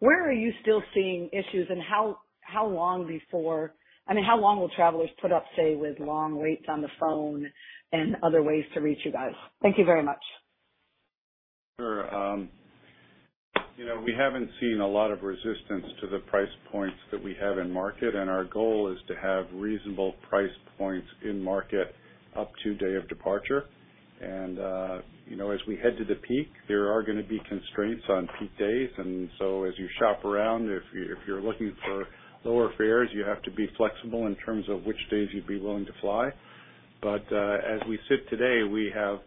Where are you still seeing issues and how long will travelers put up, say, with long waits on the phone and other ways to reach you guys? Thank you very much. Sure. You know, we haven't seen a lot of resistance to the price points that we have in market, and our goal is to have reasonable price points in market up to day of departure. You know, as we head to the peak, there are gonna be constraints on peak days. As you shop around, if you're looking for lower fares, you have to be flexible in terms of which days you'd be willing to fly. As we sit today, we have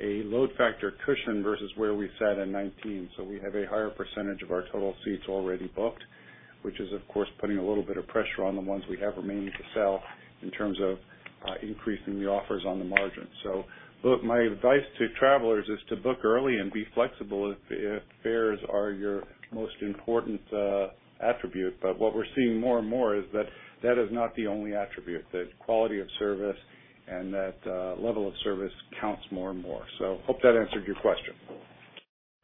a load factor cushion versus where we sat in 2019, so we have a higher percentage of our total seats already booked, which is, of course, putting a little bit of pressure on the ones we have remaining to sell in terms of increasing the offers on the margin. Look, my advice to travelers is to book early and be flexible if fares are your most important attribute. What we're seeing more and more is that is not the only attribute. That quality of service and that level of service counts more and more. I hope that answered your question.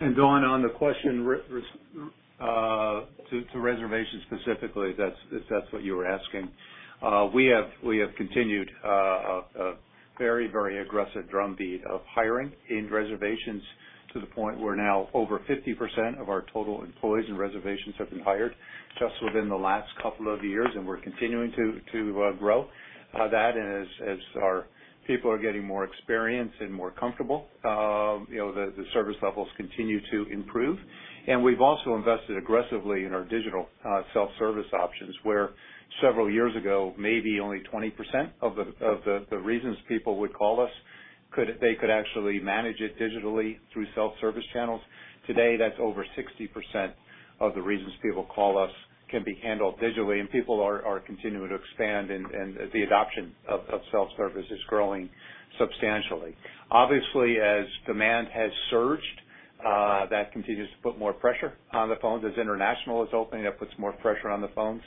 And Dawn, on the question regarding reservations specifically, if that's what you were asking, we have continued a very aggressive drumbeat of hiring in reservations to the point where now over 50% of our total employees in reservations have been hired just within the last couple of years, and we're continuing to grow that. As our people are getting more experienced and more comfortable, you know, the service levels continue to improve. We've also invested aggressively in our digital self-service options, where several years ago, maybe only 20% of the reasons people would call us could actually manage it digitally through self-service channels. Today, that's over 60% of the reasons people call us can be handled digitally, and people are continuing to expand and the adoption of self-service is growing substantially. Obviously, as demand has surged, that continues to put more pressure on the phones. As international is opening, that puts more pressure on the phones.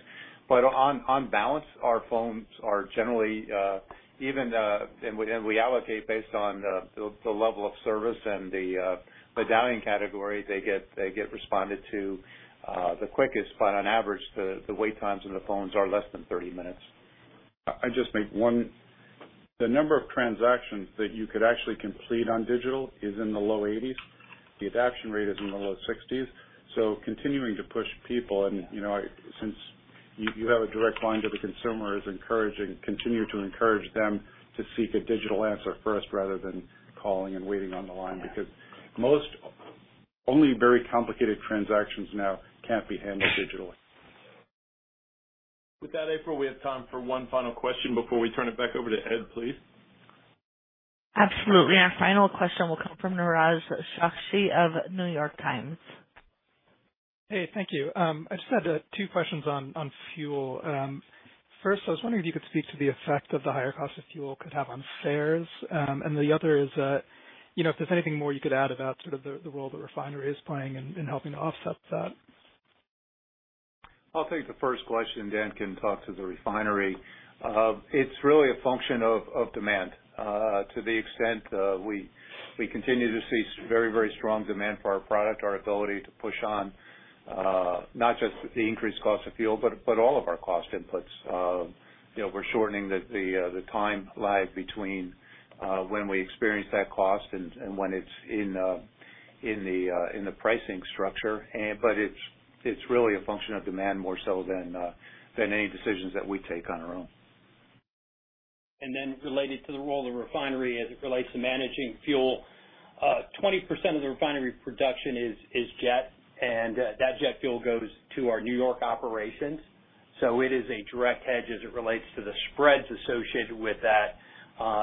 On balance, our phones are generally even, and we allocate based on the level of service and the dialing category they get responded to the quickest. On average, the wait times on the phones are less than 30 minutes. I just make one. The number of transactions that you could actually complete on digital is in the low eighties. The adoption rate is in the low sixties. Continuing to push people and, you know, since you have a direct line to the consumer is encouraging, continue to encourage them to seek a digital answer first rather than calling and waiting on the line. Because most only very complicated transactions now can't be handled digitally. With that, April, we have time for one final question before we turn it back over to Ed, please. Absolutely. Our final question will come from Niraj Chokshi of The New York Times. Hey, thank you. I just had two questions on fuel. First, I was wondering if you could speak to the effect of the higher cost of fuel could have on fares. The other is that, you know, if there's anything more you could add about sort of the role the refinery is playing in helping to offset that. I'll take the first question, Dan can talk to the refinery. It's really a function of demand. To the extent we continue to see very, very strong demand for our product, our ability to push on not just the increased cost of fuel, but all of our cost inputs. You know, we're shortening the time lag between when we experience that cost and when it's in the pricing structure. It's really a function of demand more so than any decisions that we take on our own. Related to the role of the refinery as it relates to managing fuel, 20% of the refinery production is jet, and that jet fuel goes to our New York operations. It is a direct hedge as it relates to the spreads associated with that.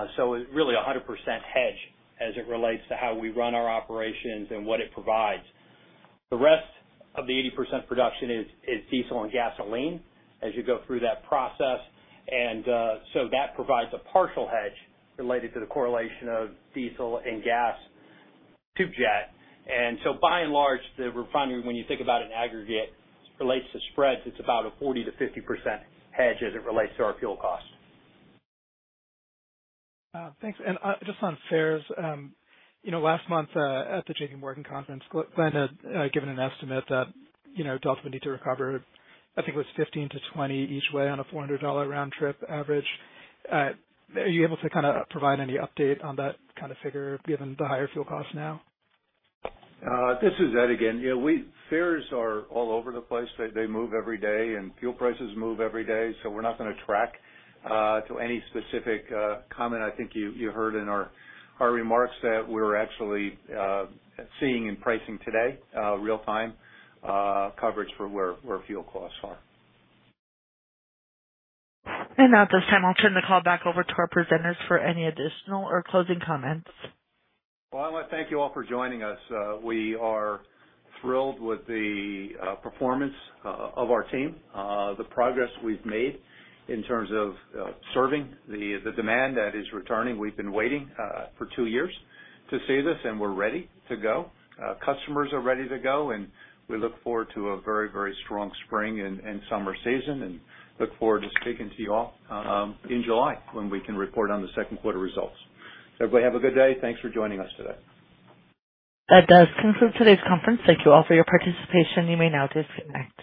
It's really a 100% hedge as it relates to how we run our operations and what it provides. The rest of the 80% production is diesel and gasoline as you go through that process. That provides a partial hedge related to the correlation of diesel and gas to jet. By and large, the refinery, when you think about an aggregate relates to spreads, it's about a 40%-50% hedge as it relates to our fuel costs. Thanks. Just on fares, you know, last month at the JPMorgan conference, Glen had given an estimate that, you know, Delta would need to recover, I think it was 15-20 each way on a $400 round trip average. Are you able to kind of provide any update on that kind of figure given the higher fuel costs now? This is Ed again. You know, fares are all over the place. They move every day and fuel prices move every day. We're not gonna track to any specific comment. I think you heard in our remarks that we're actually seeing in pricing today real-time coverage for where fuel costs are. Now at this time, I'll turn the call back over to our presenters for any additional or closing comments. Well, I wanna thank you all for joining us. We are thrilled with the performance of our team, the progress we've made in terms of serving the demand that is returning. We've been waiting for two years to see this, and we're ready to go. Customers are ready to go, and we look forward to a very, very strong spring and summer season, and look forward to speaking to you all in July when we can report on the second quarter results. Everybody have a good day. Thanks for joining us today. That does conclude today's conference. Thank you all for your participation. You may now disconnect.